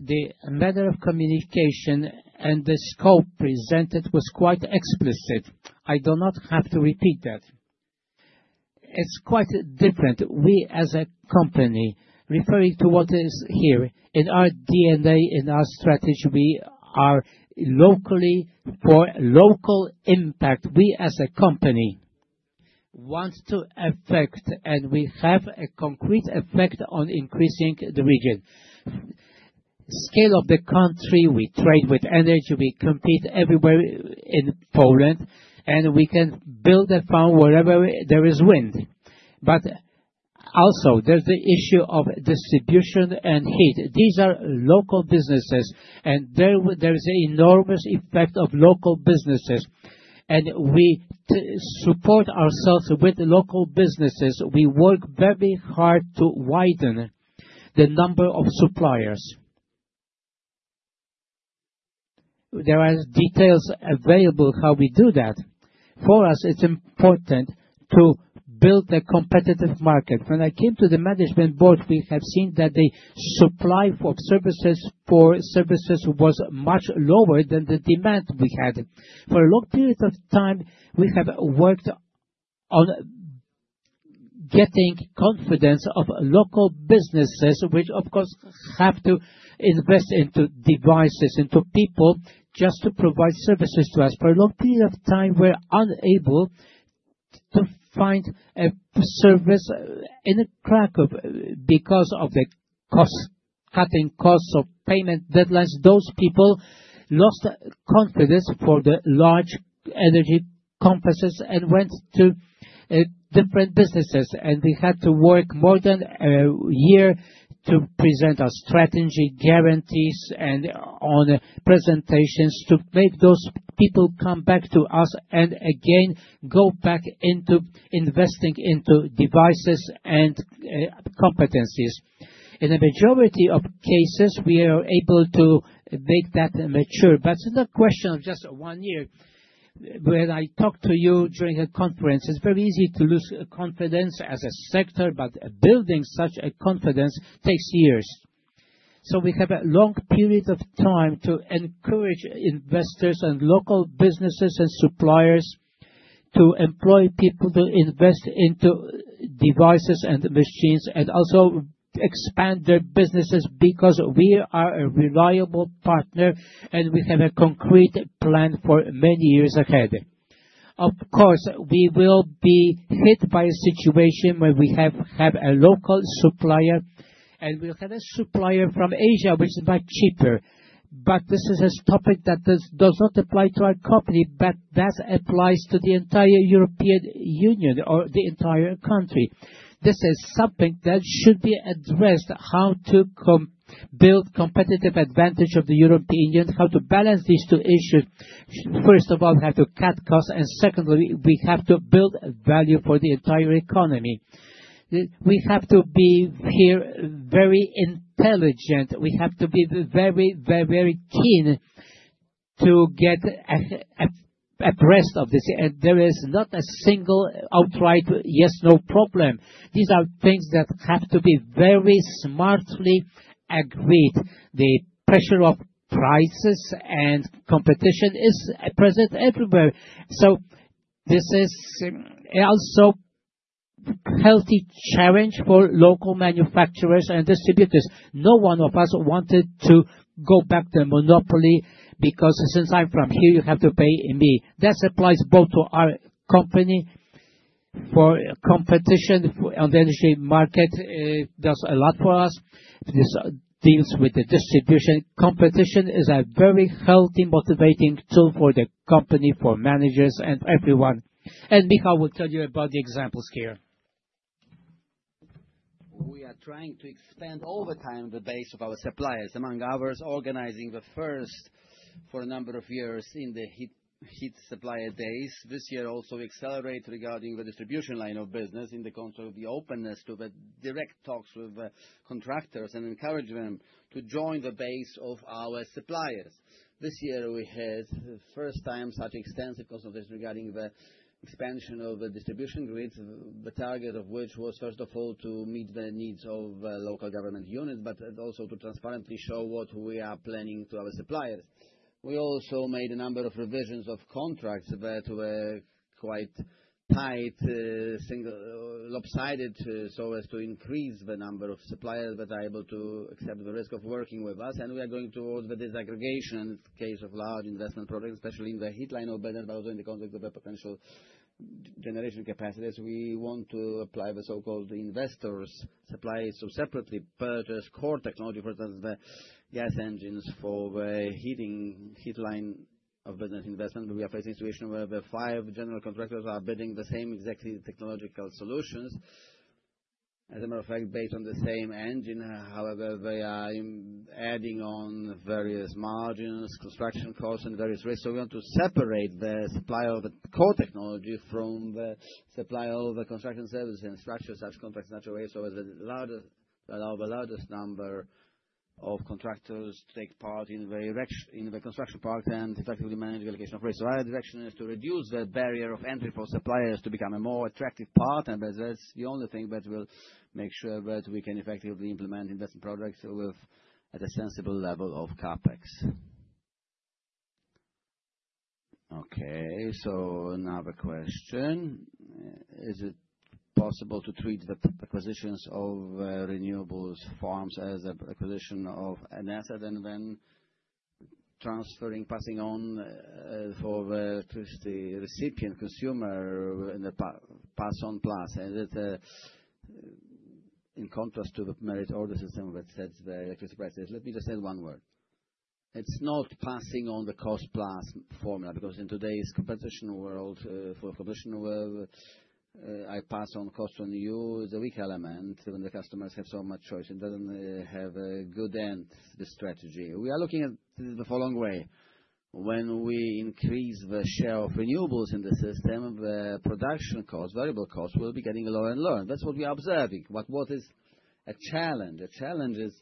The matter of communication and the scope presented was quite explicit. I do not have to repeat that. It is quite different. We, as a company, referring to what is here, in our DNA, in our strategy, we are locally for local impact. We, as a company, want to affect, and we have a concrete effect on increasing the region. Scale of the country, we trade with energy. We compete everywhere in Poland, and we can build a farm wherever there is wind. There is also the issue of distribution and heat. These are local businesses, and there is an enormous effect of local businesses. We support ourselves with local businesses. We work very hard to widen the number of suppliers. There are details available how we do that. For us, it is important to build a competitive market. When I came to the management board, we have seen that the supply for services was much lower than the demand we had. For a long period of time, we have worked on getting confidence of local businesses, which, of course, have to invest into devices, into people just to provide services to us. For a long period of time, we were unable to find a service in a crack because of the cutting costs of payment deadlines. Those people lost confidence for the large energy companies and went to different businesses. We had to work more than a year to present our strategy, guarantees, and presentations to make those people come back to us and again go back into investing into devices and competencies. In the majority of cases, we are able to make that mature. It is not a question of just one year. When I talk to you during a conference, it is very easy to lose confidence as a sector, but building such a confidence takes years. We have a long period of time to encourage investors and local businesses and suppliers to employ people to invest into devices and machines and also expand their businesses because we are a reliable partner and we have a concrete plan for many years ahead. Of course, we will be hit by a situation where we have a local supplier and we will have a supplier from Asia, which is much cheaper. This is a topic that does not apply to our company, but that applies to the entire European Union or the entire country. This is something that should be addressed, how to build competitive advantage of the European Union, how to balance these two issues. First of all, we have to cut costs, and secondly, we have to build value for the entire economy. We have to be here very intelligent. We have to be very, very, very keen to get abreast of this. There is not a single outright yes, no problem. These are things that have to be very smartly agreed. The pressure of prices and competition is present everywhere. This is also a healthy challenge for local manufacturers and distributors. No one of us wanted to go back to monopoly because since I'm from here, you have to pay me. That applies both to our company for competition on the energy market. It does a lot for us. This deals with the distribution. Competition is a very healthy, motivating tool for the company, for managers, and everyone. Michal will tell you about the examples here. We are trying to expand over time the base of our suppliers, among others organizing the first for a number of years in the heat supplier days. This year also, we accelerate regarding the distribution line of business in the context of the openness to the direct talks with contractors and encourage them to join the base of our suppliers. This year, we had first-time such extensive consultations regarding the expansion of distribution grids, the target of which was, first of all, to meet the needs of local government units, but also to transparently show what we are planning to our suppliers. We also made a number of revisions of contracts that were quite tight, lopsided, so as to increase the number of suppliers that are able to accept the risk of working with us. We are going towards the desegregation in the case of large investment projects, especially in the heat line of business, but also in the context of the potential generation capacities. We want to apply the so-called investors' supplies to separately purchase core technology, for instance, the gas engines for the heating heat line of business investment. We are facing a situation where the five general contractors are bidding the same exactly technological solutions. As a matter of fact, based on the same engine, however, they are adding on various margins, construction costs, and various risks. We want to separate the supply of the core technology from the supply of the construction services and structures, such contracts in such a way so as the largest number of contractors take part in the construction part and effectively manage the allocation of risk. Our direction is to reduce the barrier of entry for suppliers to become a more attractive partner, but that's the only thing that will make sure that we can effectively implement investment projects at a sensible level of CapEx. Okay. Another question. Is it possible to treat the acquisitions of renewables farms as an acquisition of an asset and then transferring, passing on for the electricity recipient consumer in the pass-on plus? Is it in contrast to the merit order system that sets the electricity prices? Let me just add one word. It's not passing on the cost-plus formula because in today's competition world, full of competition, I pass on costs on you. It's a weak element when the customers have so much choice. It doesn't have a good end, the strategy. We are looking at this the following way. When we increase the share of renewables in the system, the production cost, variable cost, will be getting lower and lower. That's what we are observing. What is a challenge? The challenge is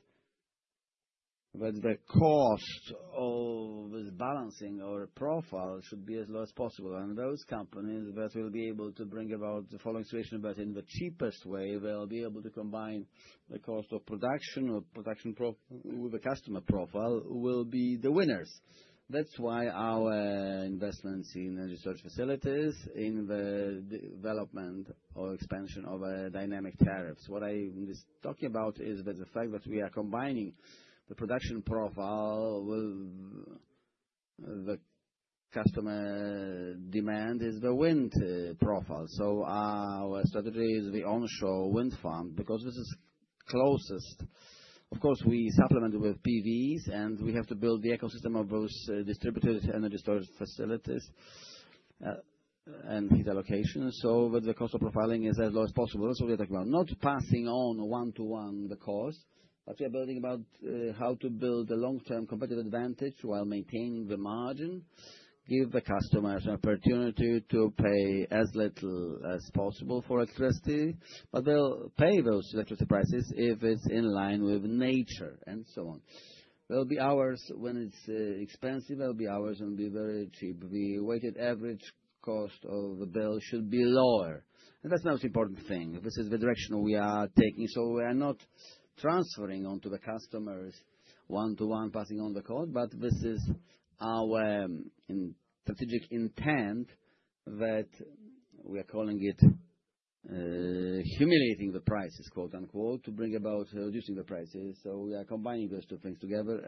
that the cost of balancing our profile should be as low as possible. Those companies that will be able to bring about the following situation, but in the cheapest way, they'll be able to combine the cost of production with the customer profile will be the winners. That's why our investments in research facilities, in the development or expansion of dynamic tariffs. What I'm just talking about is the fact that we are combining the production profile with the customer demand is the wind profile. Our strategy is the onshore wind farm because this is closest. Of course, we supplement with PVs, and we have to build the ecosystem of those distributed energy storage facilities and heat allocation. The cost of profiling is as low as possible. That's what we're talking about. Not passing on one-to-one the cost, but we are building about how to build a long-term competitive advantage while maintaining the margin, give the customers an opportunity to pay as little as possible for electricity, but they'll pay those electricity prices if it's in line with nature and so on. There'll be hours when it's expensive. will be hours when it will be very cheap. The weighted average cost of the bill should be lower. That is the most important thing. This is the direction we are taking. We are not transferring onto the customers one-to-one, passing on the code, but this is our strategic intent that we are calling it humiliating the prices, quote-unquote, to bring about reducing the prices. We are combining those two things together.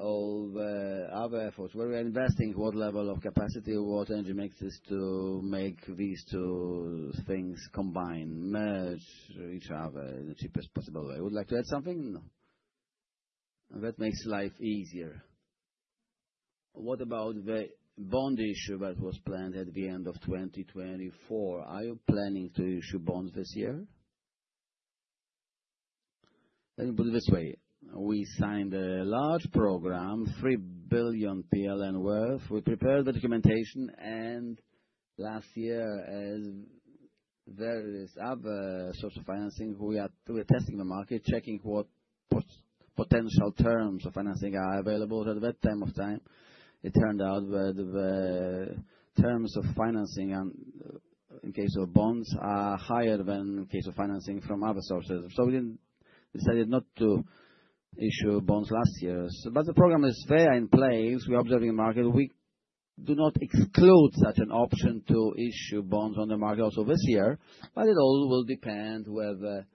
All the other efforts where we are investing, what level of capacity, what energy makes this to make these two things combine, merge each other in the cheapest possible way. Would you like to add something? No. That makes life easier. What about the bond issue that was planned at the end of 2024? Are you planning to issue bonds this year? Let me put it this way. We signed a large program, 3 billion PLN worth. We prepared the documentation, and last year, as various other sorts of financing, we are testing the market, checking what potential terms of financing are available at that time of time. It turned out that the terms of financing in case of bonds are higher than in case of financing from other sources. We decided not to issue bonds last year. The program is fair in place. We are observing the market. We do not exclude such an option to issue bonds on the market also this year, but it all will depend whether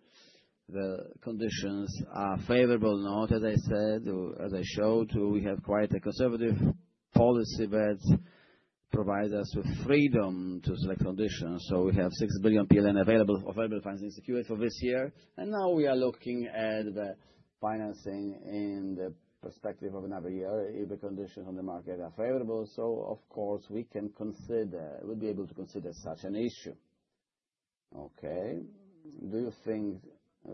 the conditions are favorable or not. As I said, as I showed, we have quite a conservative policy that provides us with freedom to select conditions. We have 6 billion PLN available financing for this year. We are looking at the financing in the perspective of another year if the conditions on the market are favorable. Of course, we can consider, we'll be able to consider such an issue. Okay. Do you think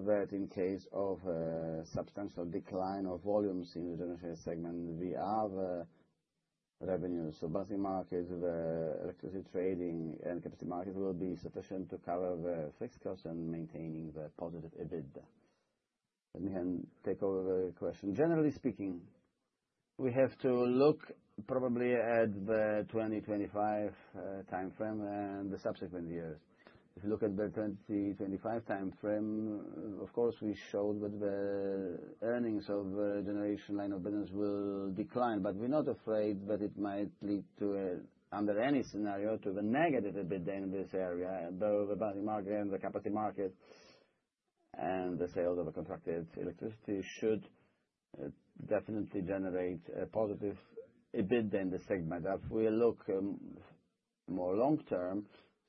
that in case of a substantial decline of volumes in the generation segment, we have revenues? Balancing market, the electricity trading, and capacity market will be sufficient to cover the fixed costs and maintaining the positive EBITDA. Let me take over the question. Generally speaking, we have to look probably at the 2025 timeframe and the subsequent years. If you look at the 2025 timeframe, of course, we showed that the earnings of the generation line of business will decline, but we're not afraid that it might lead to, under any scenario, to a negative EBITDA in this area. The balancing market and the capacity market and the sales of contracted electricity should definitely generate a positive EBITDA in the segment. If we look more long-term,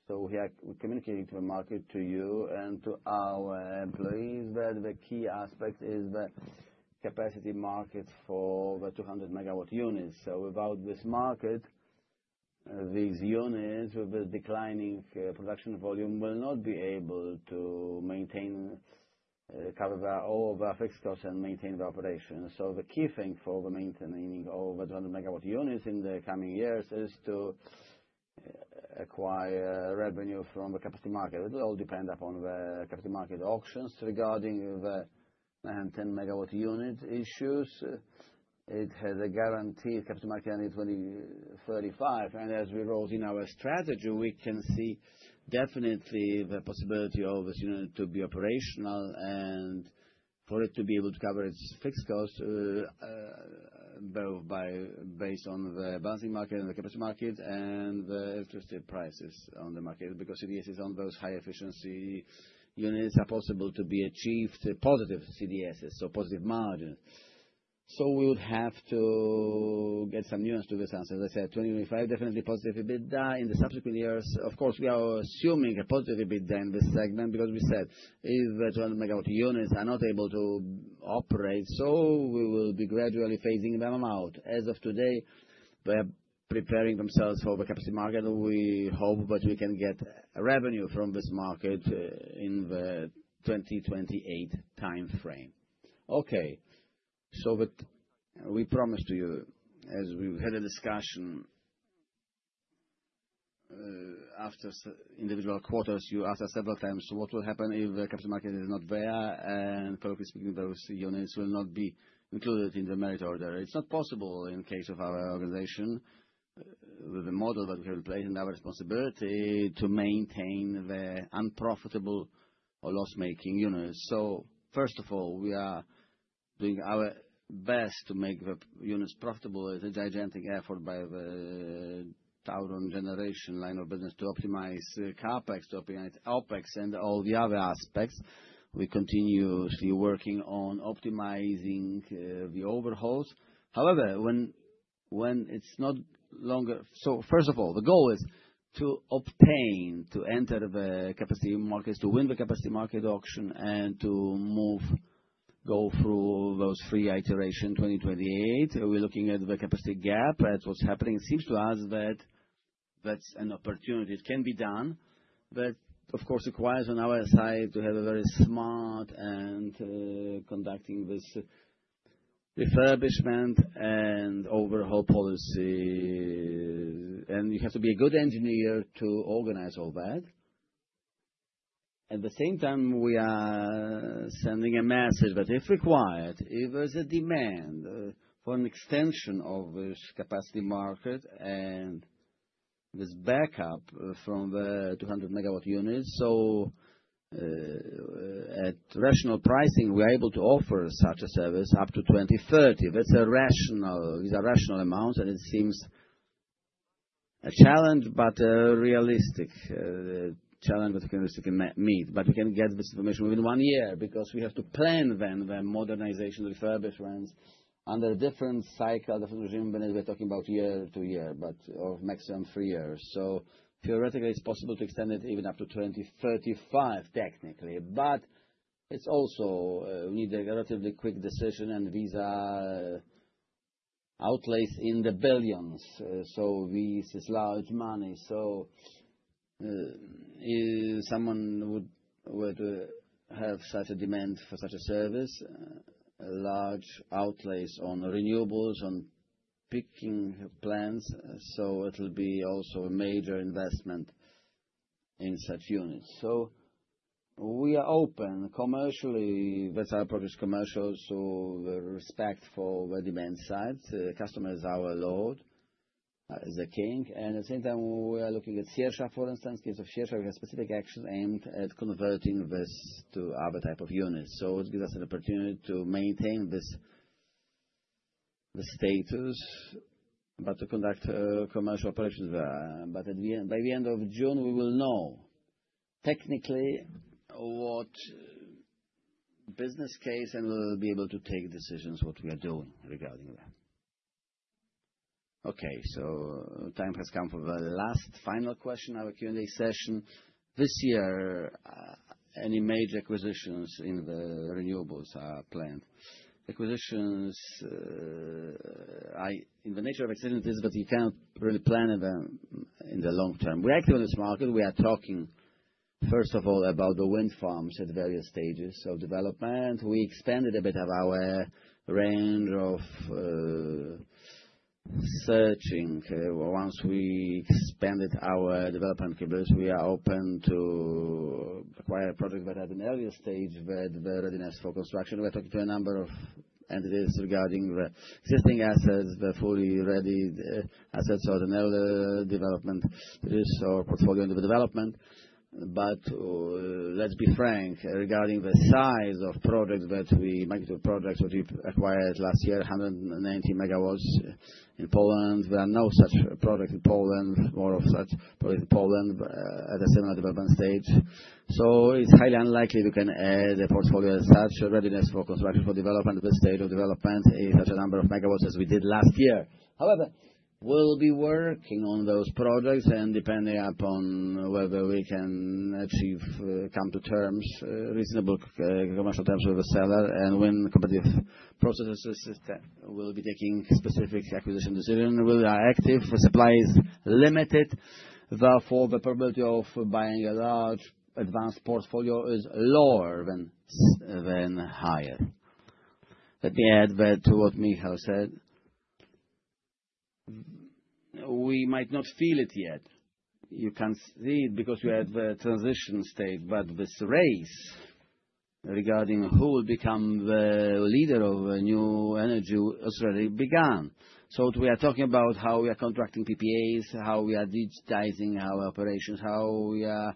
we are communicating to the market, to you and to our employees, that the key aspect is the capacity market for the 200 megawatt units. Without this market, these units with declining production volume will not be able to cover all of our fixed costs and maintain the operation. The key thing for maintaining all of the 200 megawatt units in the coming years is to acquire revenue from the capacity market. It will all depend upon the capacity market auctions regarding the 910 megawatt unit issues. It has a guaranteed capacity market ending 2035. As we wrote in our strategy, we can see definitely the possibility of this unit to be operational and for it to be able to cover its fixed costs based on the balancing market and the capacity market and the electricity prices on the market because CDSs on those high-efficiency units are possible to be achieved, positive CDSs, so positive margins. We would have to get some nuance to this answer. As I said, 2025, definitely positive EBITDA. In the subsequent years, of course, we are assuming a positive EBITDA in this segment because we said if the 200 megawatt units are not able to operate, we will be gradually phasing them out. As of today, they are preparing themselves for the capacity market. We hope that we can get revenue from this market in the 2028 timeframe. Okay. We promised to you, as we had a discussion after individual quarters, you asked us several times what will happen if the capital market is not there, and colloquially speaking, those units will not be included in the merit order. It is not possible in case of our organization, the model that we have in place and our responsibility to maintain the unprofitable or loss-making units. First of all, we are doing our best to make the units profitable. It is a gigantic effort by the TAURON generation line of business to optimize CapEx, to optimize OpEx, and all the other aspects. We are continuously working on optimizing the overhauls. However, when it is not longer, first of all, the goal is to obtain, to enter the capacity markets, to win the capacity market auction, and to move, go through those three iterations in 2028. We're looking at the capacity gap, at what's happening. It seems to us that that's an opportunity. It can be done, but of course, it requires on our side to have a very smart and conducting this refurbishment and overhaul policy. You have to be a good engineer to organize all that. At the same time, we are sending a message that if required, if there's a demand for an extension of this capacity market and this backup from the 200 MW units, at rational pricing, we are able to offer such a service up to 2030. That's a rational amount, and it seems a challenge, but a realistic challenge that we can realistically meet. We can get this information within one year because we have to plan then the modernization, refurbishments under a different cycle, different regime than we are talking about year to year, but of maximum three years. Theoretically, it is possible to extend it even up to 2035 technically, but we also need a relatively quick decision and visa outlays in the billions. This is large money. If someone were to have such a demand for such a service, large outlays on renewables, on peaking plants, it will be also a major investment in such units. We are open commercially. That is our purpose, commercial, so respect for the demand side. Customer is our lord. Is the king. At the same time, we are looking at Siersza, for instance. In case of Siersza, we have specific actions aimed at converting this to other types of units. It gives us an opportunity to maintain this status, but to conduct commercial operations there. By the end of June, we will know technically what business case and we'll be able to take decisions what we are doing regarding that. Okay. Time has come for the last final question, our Q&A session. This year, any major acquisitions in the renewables are planned. Acquisitions, in the nature of existing this, but you cannot really plan in the long term. We're active in this market. We are talking, first of all, about the wind farms at various stages of development. We expanded a bit of our range of searching. Once we expanded our development capabilities, we are open to acquire projects that are at an earlier stage with the readiness for construction. We're talking to a number of entities regarding the existing assets, the fully ready assets or the development, the portfolio under development. Let's be frank regarding the size of projects that we market to projects that we've acquired last year, 190 MW in Poland. There are no such projects in Poland, more of such projects in Poland at a similar development stage. It is highly unlikely we can add a portfolio as such, readiness for construction, for development, the stage of development is such a number of MW as we did last year. However, we'll be working on those projects and depending upon whether we can achieve, come to terms, reasonable commercial terms with the seller and win competitive processes. We'll be taking specific acquisition decisions. We are active. Supply is limited. Therefore, the probability of buying a large advanced portfolio is lower than higher. Let me add to what Michal said. We might not feel it yet. You can see it because you have a transition state, but this race regarding who will become the leader of new energy already began. We are talking about how we are contracting PPAs, how we are digitizing our operations, how we are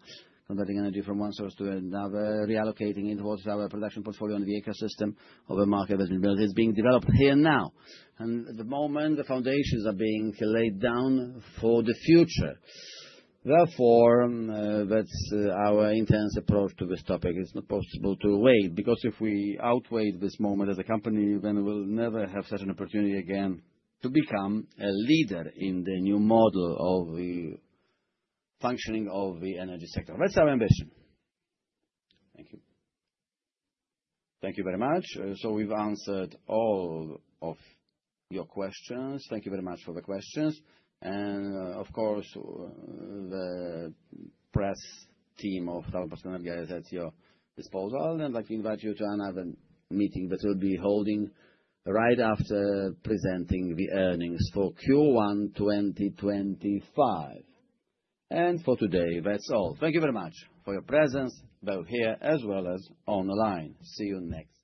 converting energy from one source to another, reallocating it, what is our production portfolio on the ecosystem of a market that is being developed here now. At the moment, the foundations are being laid down for the future. Therefore, that's our intense approach to this topic. It's not possible to wait because if we outwait this moment as a company, then we'll never have such an opportunity again to become a leader in the new model of the functioning of the energy sector. That's our ambition. Thank you. Thank you very much. We have answered all of your questions. Thank you very much for the questions. Of course, the press team of TAURON Polska Energia is at your disposal. I would like to invite you to another meeting that we will be holding right after presenting the earnings for Q1 2025. For today, that is all. Thank you very much for your presence both here as well as online. See you next.